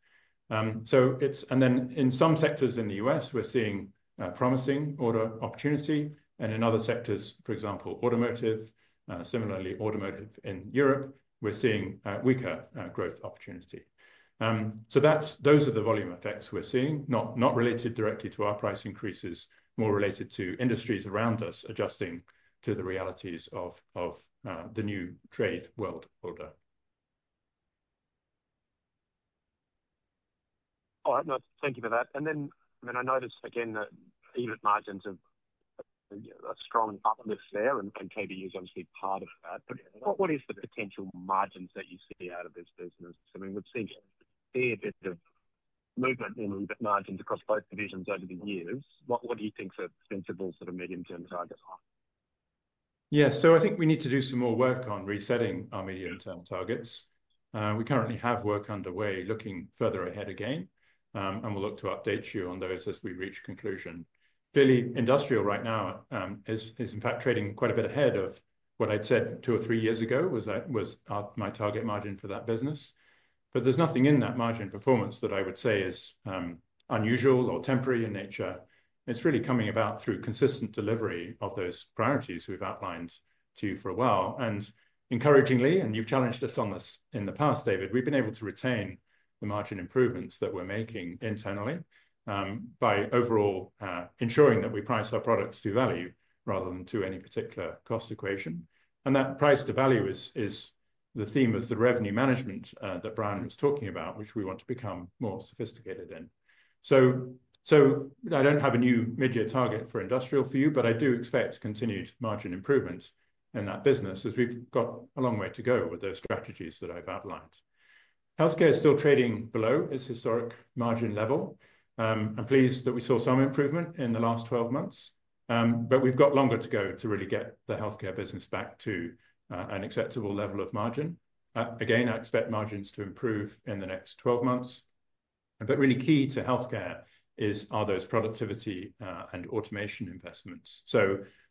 In some sectors in the U.S. we're seeing promising order opportunity. In other sectors, for example, automotive, similarly automotive in Europe, we're seeing weaker growth opportunity. Those are the volume effects we're seeing, not related directly to our price increases, more related to industries around us adjusting to the realities of the new trade world order.
All right, thank you for that. I noticed again that EBIT margins have a strong uplift there, and KBU is obviously part of that. What is the potential margins that you see out of this business? I mean, we've seen a fair bit of movement in margins across both divisions over the years. What do you think are the principles that are medium term targets?
Yes. I think we need to do some more work on resetting our medium term targets. We currently have work underway looking further ahead again, and we'll look to update you on those as we reach conclusion. Billy, Industrial right now is in fact trading quite a bit ahead of what I'd said two or three years ago was my target margin for that business. There's nothing in that margin performance that I would say is unusual or temporary in nature. It's really coming about through consistent delivery of those priorities we've outlined to you for a while. Encouragingly, and you've challenged us on this in the past, David, we've been able to retain the margin improvements that we're making internally by overall ensuring that we price our products to value rather than to any particular cost equation. That price to value is the theme of the revenue management that Brian was talking about, which we want to become more sophisticated in. I don't have a new mid year target for Industrial for you, but I do expect continued margin improvement in that business as we've got a long way to go with those strategies that I've outlined. Healthcare is still trading below its historic margin level. I'm pleased that we saw some improvement in the last 12 months, but we've got longer to go to really get the Healthcare business back to an acceptable level of margin. I expect margins to improve in the next 12 months. Really key to Healthcare are those productivity and automation investments.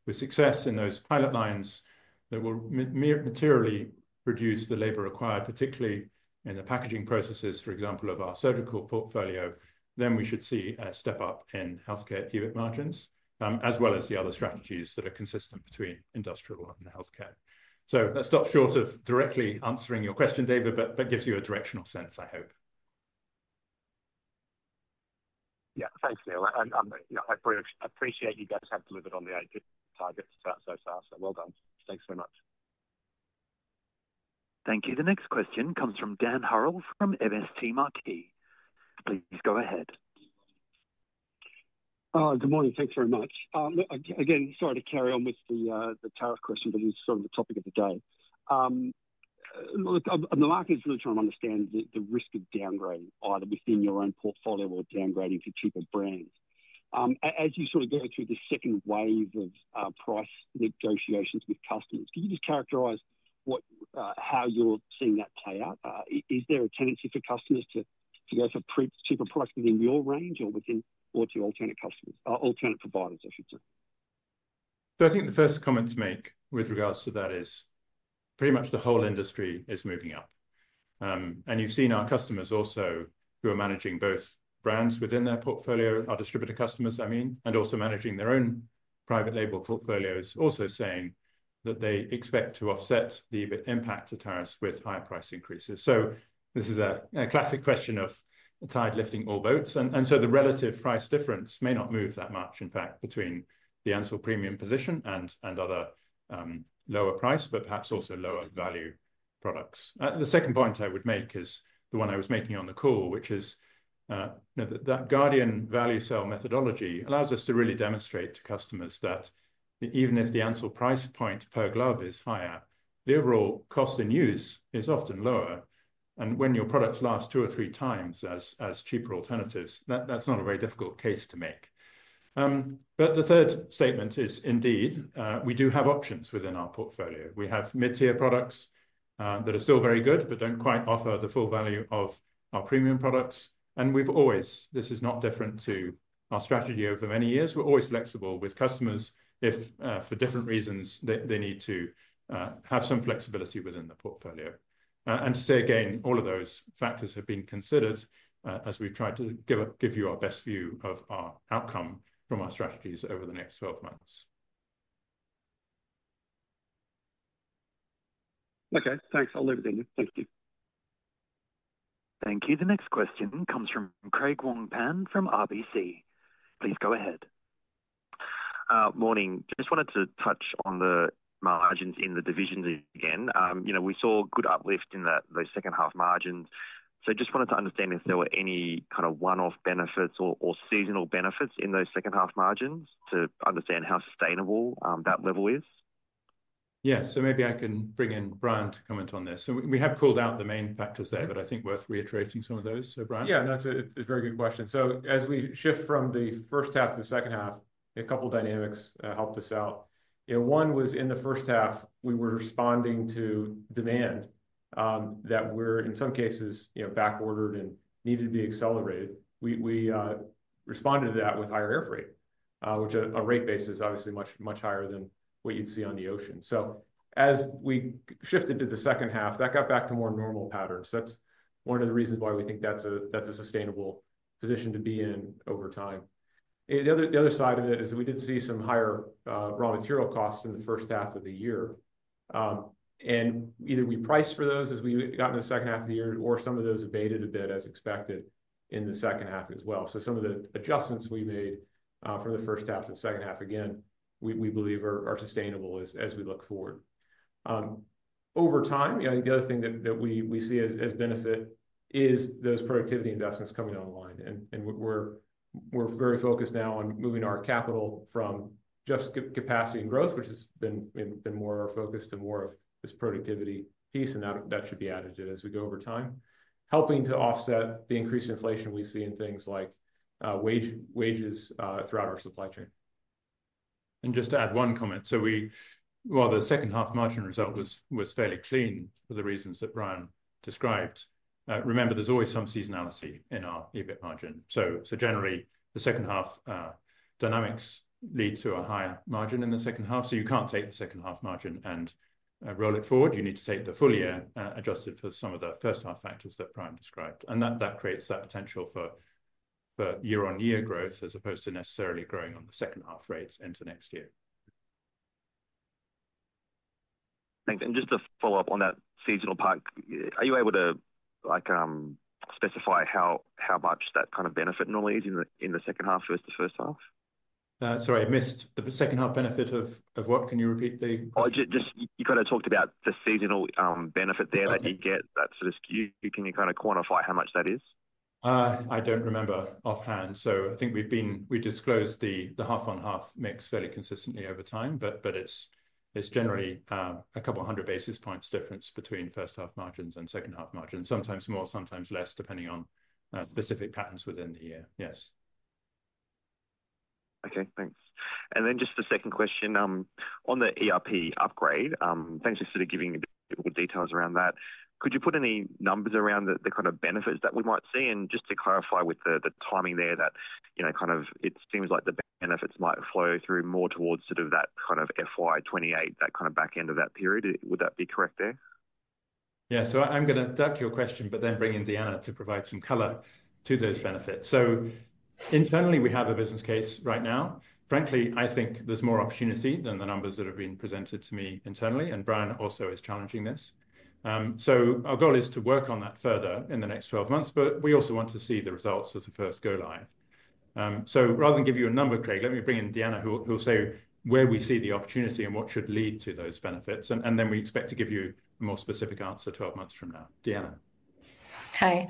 With success in those pilot lines that will materially reduce the labor required, particularly in the packaging processes, for example, of our surgical portfolio, we should see a step up in Healthcare cubic margins as well as the other strategies that are consistent between Industrial and Healthcare. Let's stop short of directly answering your question, David, but that gives you a directional sense, I hope.
Yeah. Thanks, Neil. I appreciate you guys have delivered on the EBIT targets so far, so well done. Thanks very much.
Thank you. The next question comes from Dan Hurren from MST Marquee. Please go ahead.
Good morning. Thanks very much. Again, sorry to carry on with the tariff question, but it's still on the topic of the day. The market is really trying to understand the risk of downgrading either within your own portfolio or downgrading to triple brands. As you sort of go through the second wave of price negotiations with customers, can you just characterize how you're seeing that play out? Is there a tendency for customers to go for super products within your range or to alternate providers? I should say so.
I think the first comment to make with regards to that is pretty much the whole industry is moving up, and you've seen our customers also who are managing both brands within their portfolio, our distributor customers, I mean, and also managing their own private label portfolios, also saying that they expect to offset the impact to tariffs with higher price increases. This is a classic question of tide lifting all boats, and the relative price difference may not move that much, in fact, between the Ansell premium position and other lower price but perhaps also lower value products. The second point I would make is the one I was making on the call, which is that Guardian Value Sell methodology allows us to really demonstrate to customers that even if the Ansell price point per glove is higher, the overall cost in use is often lower, and when your products last two or three times as long as cheaper alternatives, that's not a very difficult case to make. The third statement is indeed we do have options within our portfolio. We have mid tier products that are still very good but don't quite offer the full value of our premium products. This is not different to our strategy over many years. We're always flexible with customers if for different reasons they need to have some flexibility within the portfolio. All of those factors have been considered as we've tried to give you our best view of our outcome from our strategies over the next 12 months.
Okay, thanks. I'll leave it there. Thank you.
Thank you. The next question comes from Craig Wong-Pan from RBC, please go ahead.
Morning. Just wanted to touch on the margins in the divisions again. You know we saw good uplift in those second half margins. Just wanted to understand if there were any kind of one-off benefits or seasonal benefits in those second half margins to understand how sustainable that level is.
Yeah, maybe I can bring in Brian Montgomery to comment on this. We have pulled out the main factors there, but I think it's worth reiterating some of those. Brian.
Yeah, that's a very good question. As we shift from the first half to the second half, a couple dynamics helped us out. One was in the first half we were responding to demand that were in some cases back ordered and needed to be accelerated. We responded to that with higher air freight, which on a rate basis is obviously much higher than what you'd see on the ocean. As we shifted to the second half, that got back to more normal patterns. That's one of the reasons why we think that's a sustainable position to be in over time. The other side of it is we did see some higher raw material costs in the first half of the year, and either we priced for those as we got in the second half of the year or some of those abated a bit as expected in the second half as well. Some of the adjustments we made for the first half and second half, again, we believe are sustainable as we look forward over time. The other thing that we see as benefit is those productivity investments coming online. We're very focused now on moving our capital from just capacity and growth, which has been more our focus, to more of this productivity piece. That should be added as we go over time, helping to offset the increased inflation we see in things like wages throughout our supply chain.
Just to add one comment, while the second half margin result was fairly clean for the reasons that Ron described, remember there's always some seasonality in our EBIT margin. Generally, the second half dynamics lead to a higher margin in the second half. You can't take the second half margin and roll it forward. You need to take the full year adjusted for some of the first half factors that Ron described, and that creates that potential for year on year growth as opposed to necessarily growing on the second half rate into next year.
Thanks. Just to follow up on that seasonal part, are you able to specify how much that kind of benefit normally is in the second half versus the first half?
Sorry, I missed the second half benefit. Can you repeat that?
You kind of talked about the seasonal benefit there that you get, that sort of skew. Can you kind of quantify how much that is?
I don't remember offhand. I think we disclosed the half on half mix fairly consistently over time, but there's generally a couple hundred basis points difference between first half margins and second half margins, sometimes more, sometimes less, depending on specific patterns within the year. Yes.
Okay, thanks. Just the second question on the ERP upgrade. Thanks for giving details around that. Could you put any numbers around the kind of benefits that we might see? Just to clarify with the timing there, it seems like the benefits might flow through more towards that FY 2028, that back end of that period. Would that be correct there?
Yeah. I'm going to duck your question, but then bring in Deanna to provide some color to those benefits. Internally we have a business case right now. Frankly, I think there's more opportunity than the numbers that have been presented to me internally. Brian also is challenging this. Our goal is to work on that further in the next 12 months. We also want to see the results of the first go line. Rather than give you a number, Craig, let me bring in Deanna who will say where we see the opportunity and what should lead to those benefits. We expect to give you a more specific answer 12 months from now. Deanna,
Hi.
Saul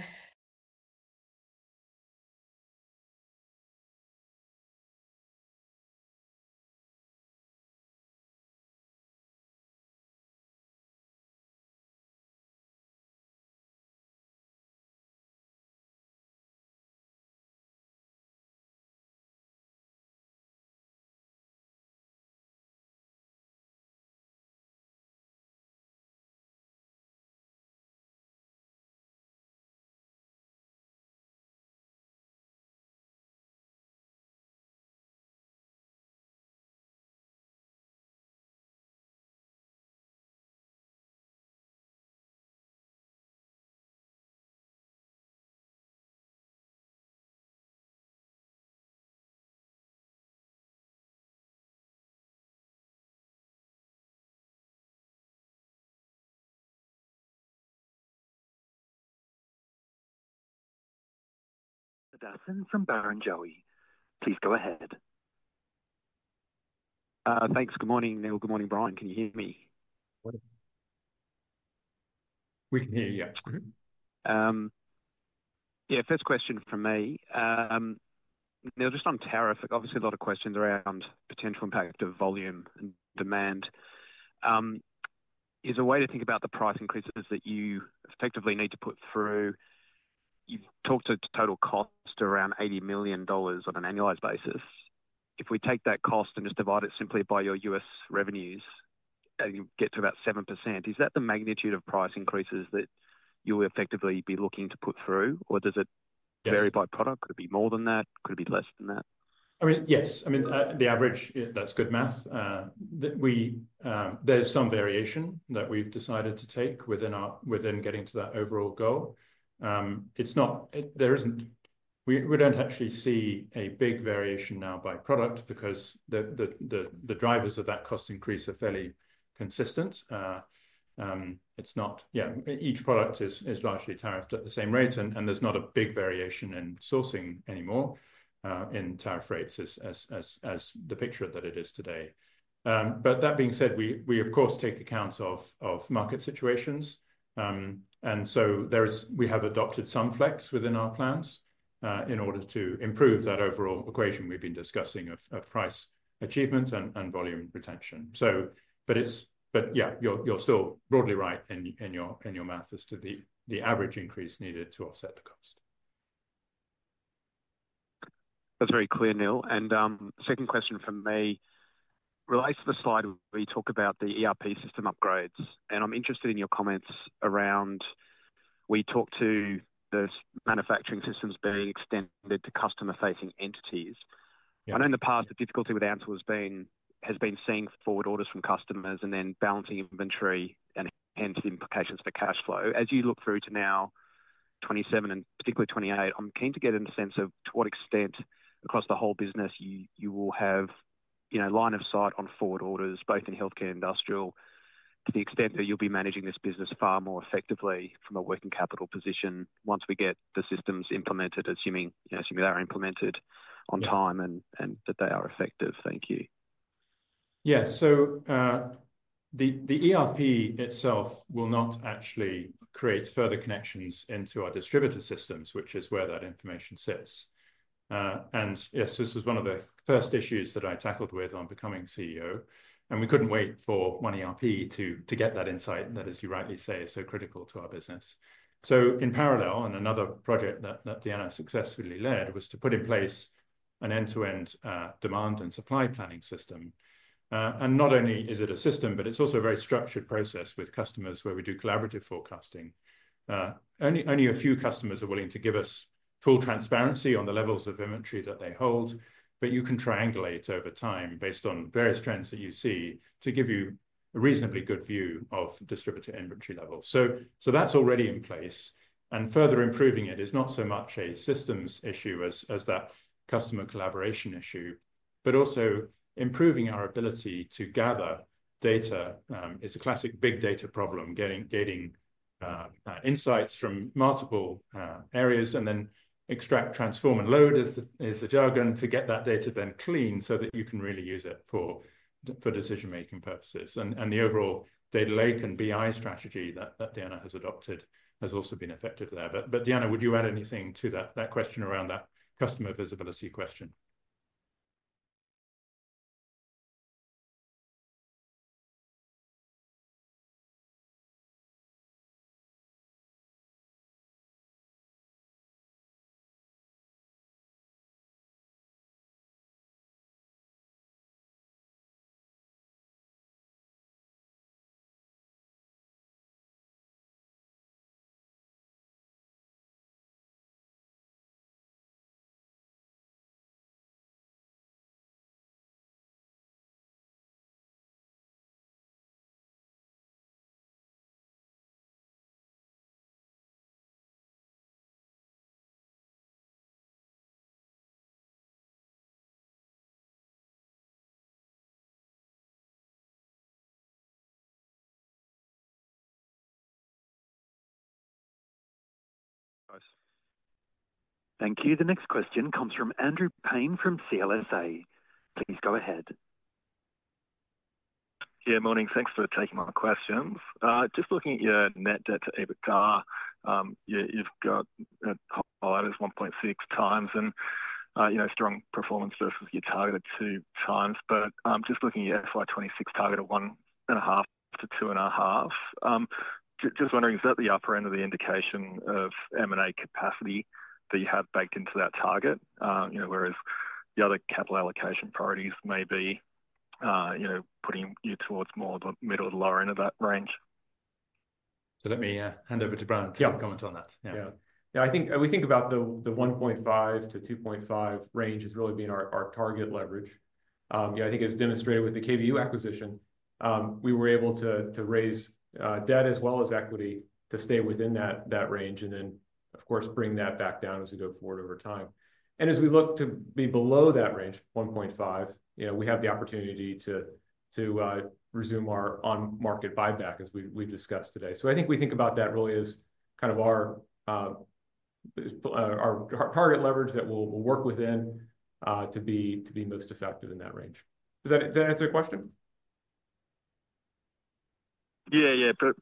Hadassin from Barrenjoey, please go ahead.
Thanks. Good morning, Neil. Good morning, Brian. Can you hear me?
We can hear you.
Yeah. First question from me, Neil, just on tariff, obviously a lot of questions around potential impact of volume and demand. Is a way to think about the price increases that you effectively need to put through, you've talked at total cost around $80 million on an annualized basis. If we take that cost and just divide it simply by your U.S. revenues and you get to about 7%, is that the magnitude of price increases that you effectively be looking to put through or does it vary by product? Could it be more than that? Could it be less than that?
I mean, yes. I mean the average. That's good math. There's some variation that we've decided to take within getting to that overall goal. We don't actually see a big variation now by product because the drivers of that cost increase are fairly consistent. Each product is largely tariffed at the same rate, and there's not a big variation in sourcing anymore in tariff rates as the picture that it is today. That being said, we of course take account of market situations, and we have adopted some flex within our plans in order to improve that overall equation. We've been discussing price achievement and volume retention. Yeah, you're still broadly right in your math as to the average increase needed to offset the cost.
That's very clear, Neil. My second question relates to the slide. We talk about the ERP system upgrades, and I'm interested in your comments around the manufacturing systems being extended to customer-facing entities. I know in the past the difficulty with Ansell has been seeing forward orders from customers and then balancing inventory and hence the implications for cash flow. As you look through to now 2027 and particularly 2028, I'm keen to get a sense of to what extent across the whole business you will have, you know, line of sight on forward orders both in healthcare and industrial, to the extent that you'll be managing this business far more effectively from a working capital position once we get the systems implemented, assuming they're implemented on time and that they are effective. Thank you.
Yes, so the ERP itself will not actually create further connections into our distributor systems, which is where that information sits. Yes, this is one of the first issues that I tackled with on becoming CEO, and we couldn't wait for one ERP to get that insight that, as you rightly say, is so critical to our business. In parallel, on another project that Deanna successfully led, we put in place an end-to-end demand and supply planning system. Not only is it a system, but it's also a very structured process with customers where we do collaborative forecasting. Only a few customers are willing to give us full transparency on the levels of inventory that they hold. You can triangulate over time based on various trends that you see to give you a reasonably good view of distributor inventory levels. That's already in place, and further improving it is not so much a systems issue as that customer collaboration issue, but also improving our ability to gather data. It's a classic big data problem. Getting insights from multiple areas and then extract, transform, and load is the jargon to get that data then clean so that you can really use it for decision-making purposes. The overall data lake and BI strategy that Deanna has adopted has also been effective there. Deanna, would you add anything to that question around that customer visibility? Question.
Thank you. The next question comes from Andrew Paine from CLSA. Please go ahead.
Yeah, morning. Thanks for taking on the questions. Just looking at your net debt to EBITDA, you've got 1.6x, and you know, strong performance versus your targeted 2 times. Just looking at FY 2026 target of 1.5 to 2.5, just wondering, is that the upper end of the indication of M&A capacity that you have baked into that target, whereas the other capital allocation priorities may be putting you towards more of the middle to lower end of that range?
Let me hand over to Brian Montgomery to comment on that.
We think about the 1.5 to 2.5 range as really being our target leverage. I think as demonstrated with the KBU acquisition, we were able to raise debt as well as equity to stay within that range and then, of course, bring that back down as we go forward over time. As we look to be below that range, 1.5, you know, we have the opportunity to resume our on-market buyback as we discussed today. I think we think about that really as kind of our target leverage that we'll work within to be most effective in that range. Does that answer your question?
Yeah,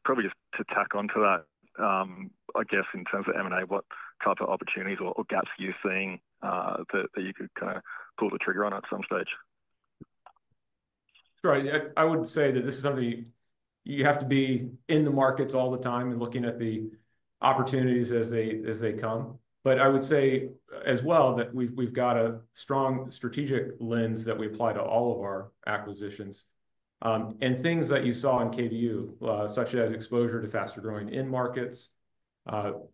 probably just to tack onto that, I guess in terms of M&A, what type of opportunities or gaps are you seeing that you could kind of pull the trigger on at some stage?
Right. I would say that this is something you have to be in the markets all the time and looking at the opportunities as they come. I would say as well that we've got a strong strategic lens that we apply to all of our acquisitions, and things that you saw in KBU such as exposure to faster growing end markets,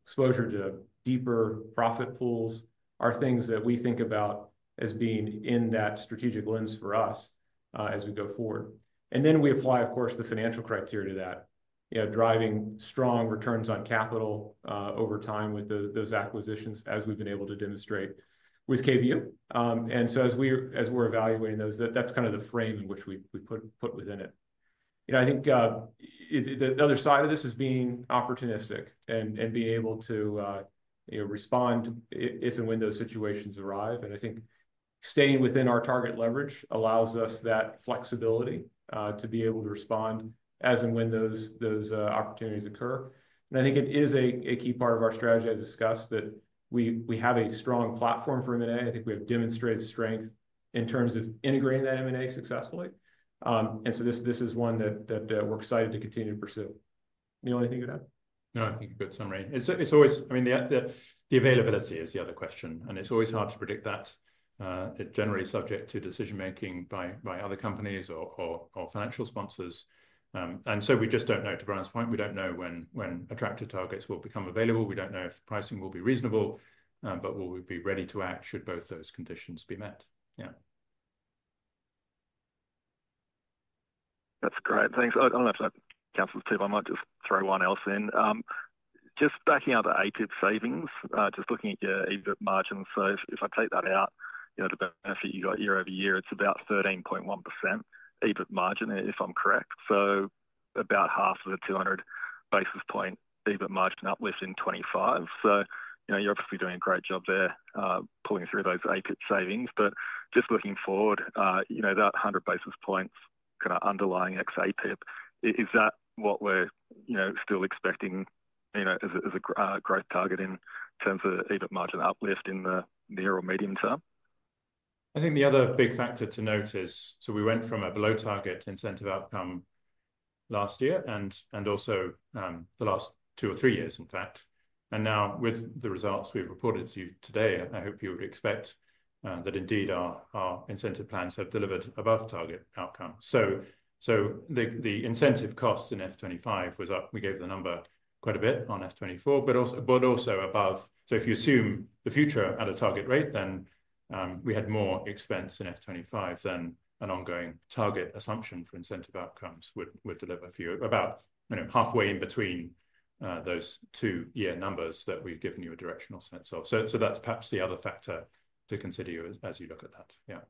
exposure to deeper profit pools are things that we think about as being in that strategic lens for us as we go forward. We apply, of course, the financial criteria to that, driving strong returns on capital over time with those acquisitions, as we've been able to demonstrate with KBU. As we're evaluating those, that's kind of the frame in which we put within it. I think the other side of this is being opportunistic and being able to respond if and when those situations arise. I think staying within our target leverage allows us that flexibility to be able to respond as and when those opportunities occur. I think it is a key part of our strategy as discussed, that we have a strong platform for M&A. I think we have demonstrated strength in terms of integrating that M&A successfully. This is one that we're excited to continue to pursue. Neil, anything you could add.
No, I think a good summary. It's always, I mean the availability is the other question, and it's always hard to predict that. It generally is subject to decision making by other companies or financial sponsors, and so we just don't know. To Brian's point, we don't know when attractive targets will become available. We don't know if pricing will be reasonable. Will we be ready to act should both those conditions be met? Yeah.
That's great, thanks. I don't know if that counts as two, but I might just throw one else in. Just backing out the APIP savings, just looking at your EBIT margins. If I take that out, the benefit you got year over year, it's about 13.1% EBIT margin if I'm correct. About half of the 200 basis point EBIT margin uplift in 2025. You're obviously doing a great job there pulling through those APIP savings. Just looking forward, that 100 basis points underlying x APIP, is that what we're still expecting as a growth target in terms of EBIT margin uplift in the near or medium term?
I think the other big factor to note is we went from a below target incentive outcome last year and also the last two or three years in fact. Now with the results we've reported to you today, I hope you would expect that indeed our incentive plans have delivered above target outcome. The incentive costs in FY 2025 was up. We gave the number quite a bit on FY 2024, but also above. If you assume the future at a target rate, then we had more expense in FY 2025 than an ongoing target assumption for incentive outcomes would deliver for you. About halfway in between those two year numbers that we've given you a directional sense of. That's perhaps the other factor to consider as you look at that.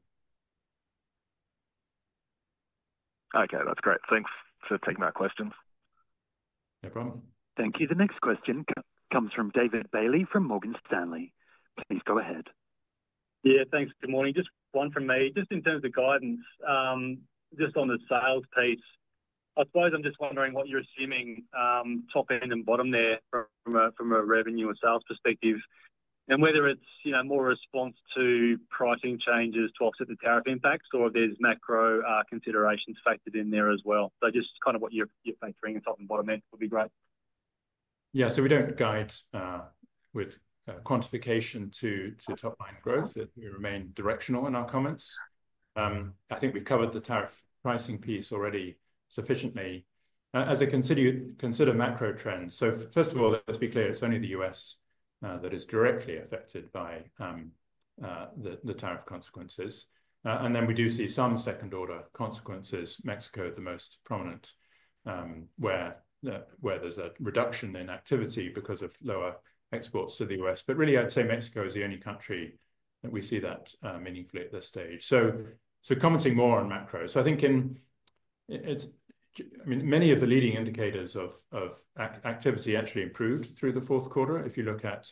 Okay, that's great. Thanks for taking that question.
No problem.
Thank you. The next question comes from David L. Bailey from Morgan Stanley. Please go ahead.
Yeah, thanks. Good morning. Just one from me, just in terms of guidance just on the sales piece. I suppose I'm just wondering what you're assuming top end and bottom there from a revenue and sales perspective and whether it's, you know, more response to pricing changes to offset the tariff impacts or there's macro considerations factored in there as well. Just kind of what you're doing at top and bottom end would be great.
Yeah, so we don't guide with quantification to top line growth. We remain directional in our comments. I think we've covered the tariff pricing piece already sufficiently as I consider macro trends. First of all, let's be clear, it's only the U.S. that is directly affected by the tariff consequences, and then we do see some second order consequences, Mexico the most prominent, where there's a reduction in activity because of lower exports to the U.S., but really I'd say Mexico is the only country that we see that meaningfully at this stage. Commenting more on macros, I think many of the leading indicators of activity actually improved through the fourth quarter. If you look at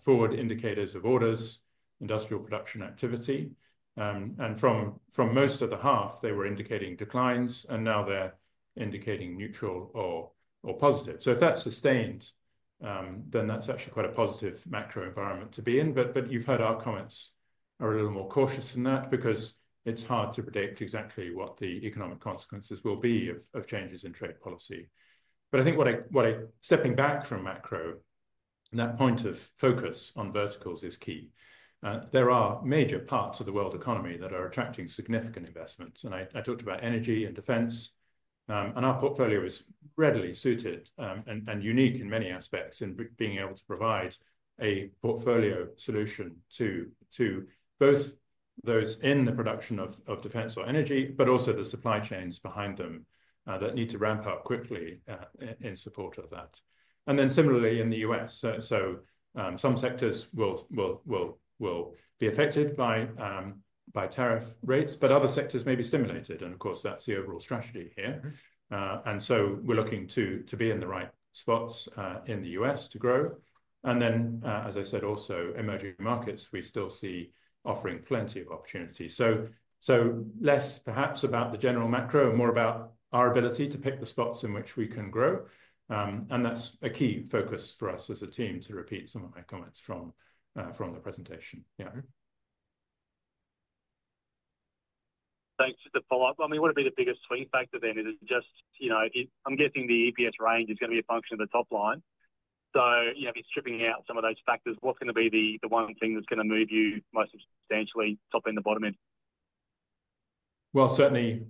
forward indicators of orders, industrial production activity, and from most of the half they were indicating declines and now they're indicating neutral or positive. If that's sustained, then that's actually quite a positive macro environment to be in. You've heard our comments are a little more cautious than that because it's hard to predict exactly what the economic consequences will be of changes in trade policy. I think stepping back from macro, that point of focus on verticals is key. There are major parts of the world economy that are attracting significant investments, and I talked about energy and defense, and our portfolio is readily suited and unique in many aspects in being able to provide a portfolio solution to both those in the production of defense or energy, but also the supply chains behind them that need to ramp up quickly in support of that. Similarly, in the U.S., some sectors will be affected by tariff rates, but other sectors may be stimulated, and of course that's the overall strategy here. We're looking to be in the right spots in the U.S. to grow. As I said, also emerging markets we still see offering plenty of opportunity. Less perhaps about the general macro, more about our ability to pick the spots in which we can grow. That's a key focus for us as a team. To repeat some of my comments from the presentation.
Thanks for the follow up. I mean, what would be the biggest swing factor then? It is just, you know, I'm guessing the EPS range is going to be a function of the top line. If you're stripping out some of those factors, what's going to be the one thing that's going to move you most substantially, top end or bottom end?
Certainly,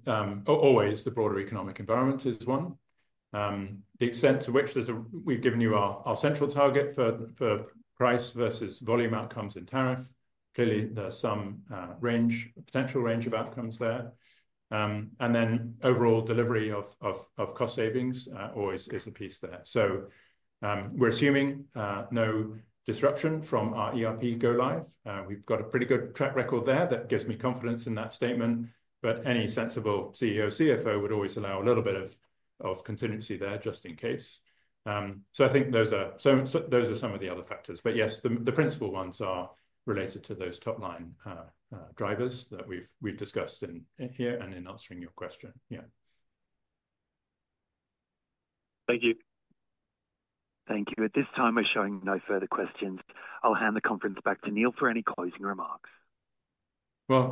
always the broader economic environment is one, the extent to which we've given you our central target for price versus volume outcomes and tariff. Clearly, there's some range, potential range of outcomes there, and then overall delivery of cost savings, always piece of piece there. We're assuming no disruption from our ERP go live. We've got a pretty good track record there. That gives me confidence in that statement. Any sensible CEO or CFO would always allow a little bit of contingency there just in case. I think those are some of the other factors. Yes, the principal ones are related to those top line drivers that we've discussed here in answering your question.
Thank you. Thank you. At this time we're showing no further questions. I'll hand the conference back to Neil for any closing remarks.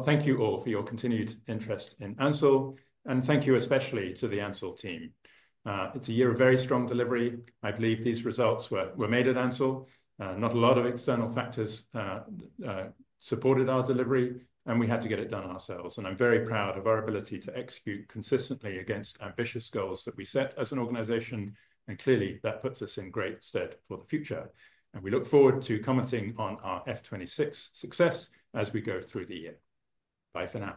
Thank you all for your continued interest in Ansell and thank you especially to the Ansell team. It's a year of very strong delivery. I believe these results were made at Ansell. Not a lot of external factors supported our delivery and we had to get it done ourselves. I'm very proud of our ability to execute consistently against ambitious goals that we set as an organization. That clearly puts us in great stead for the future. We look forward to commenting on our F2026 success as we go through the year. Bye for now.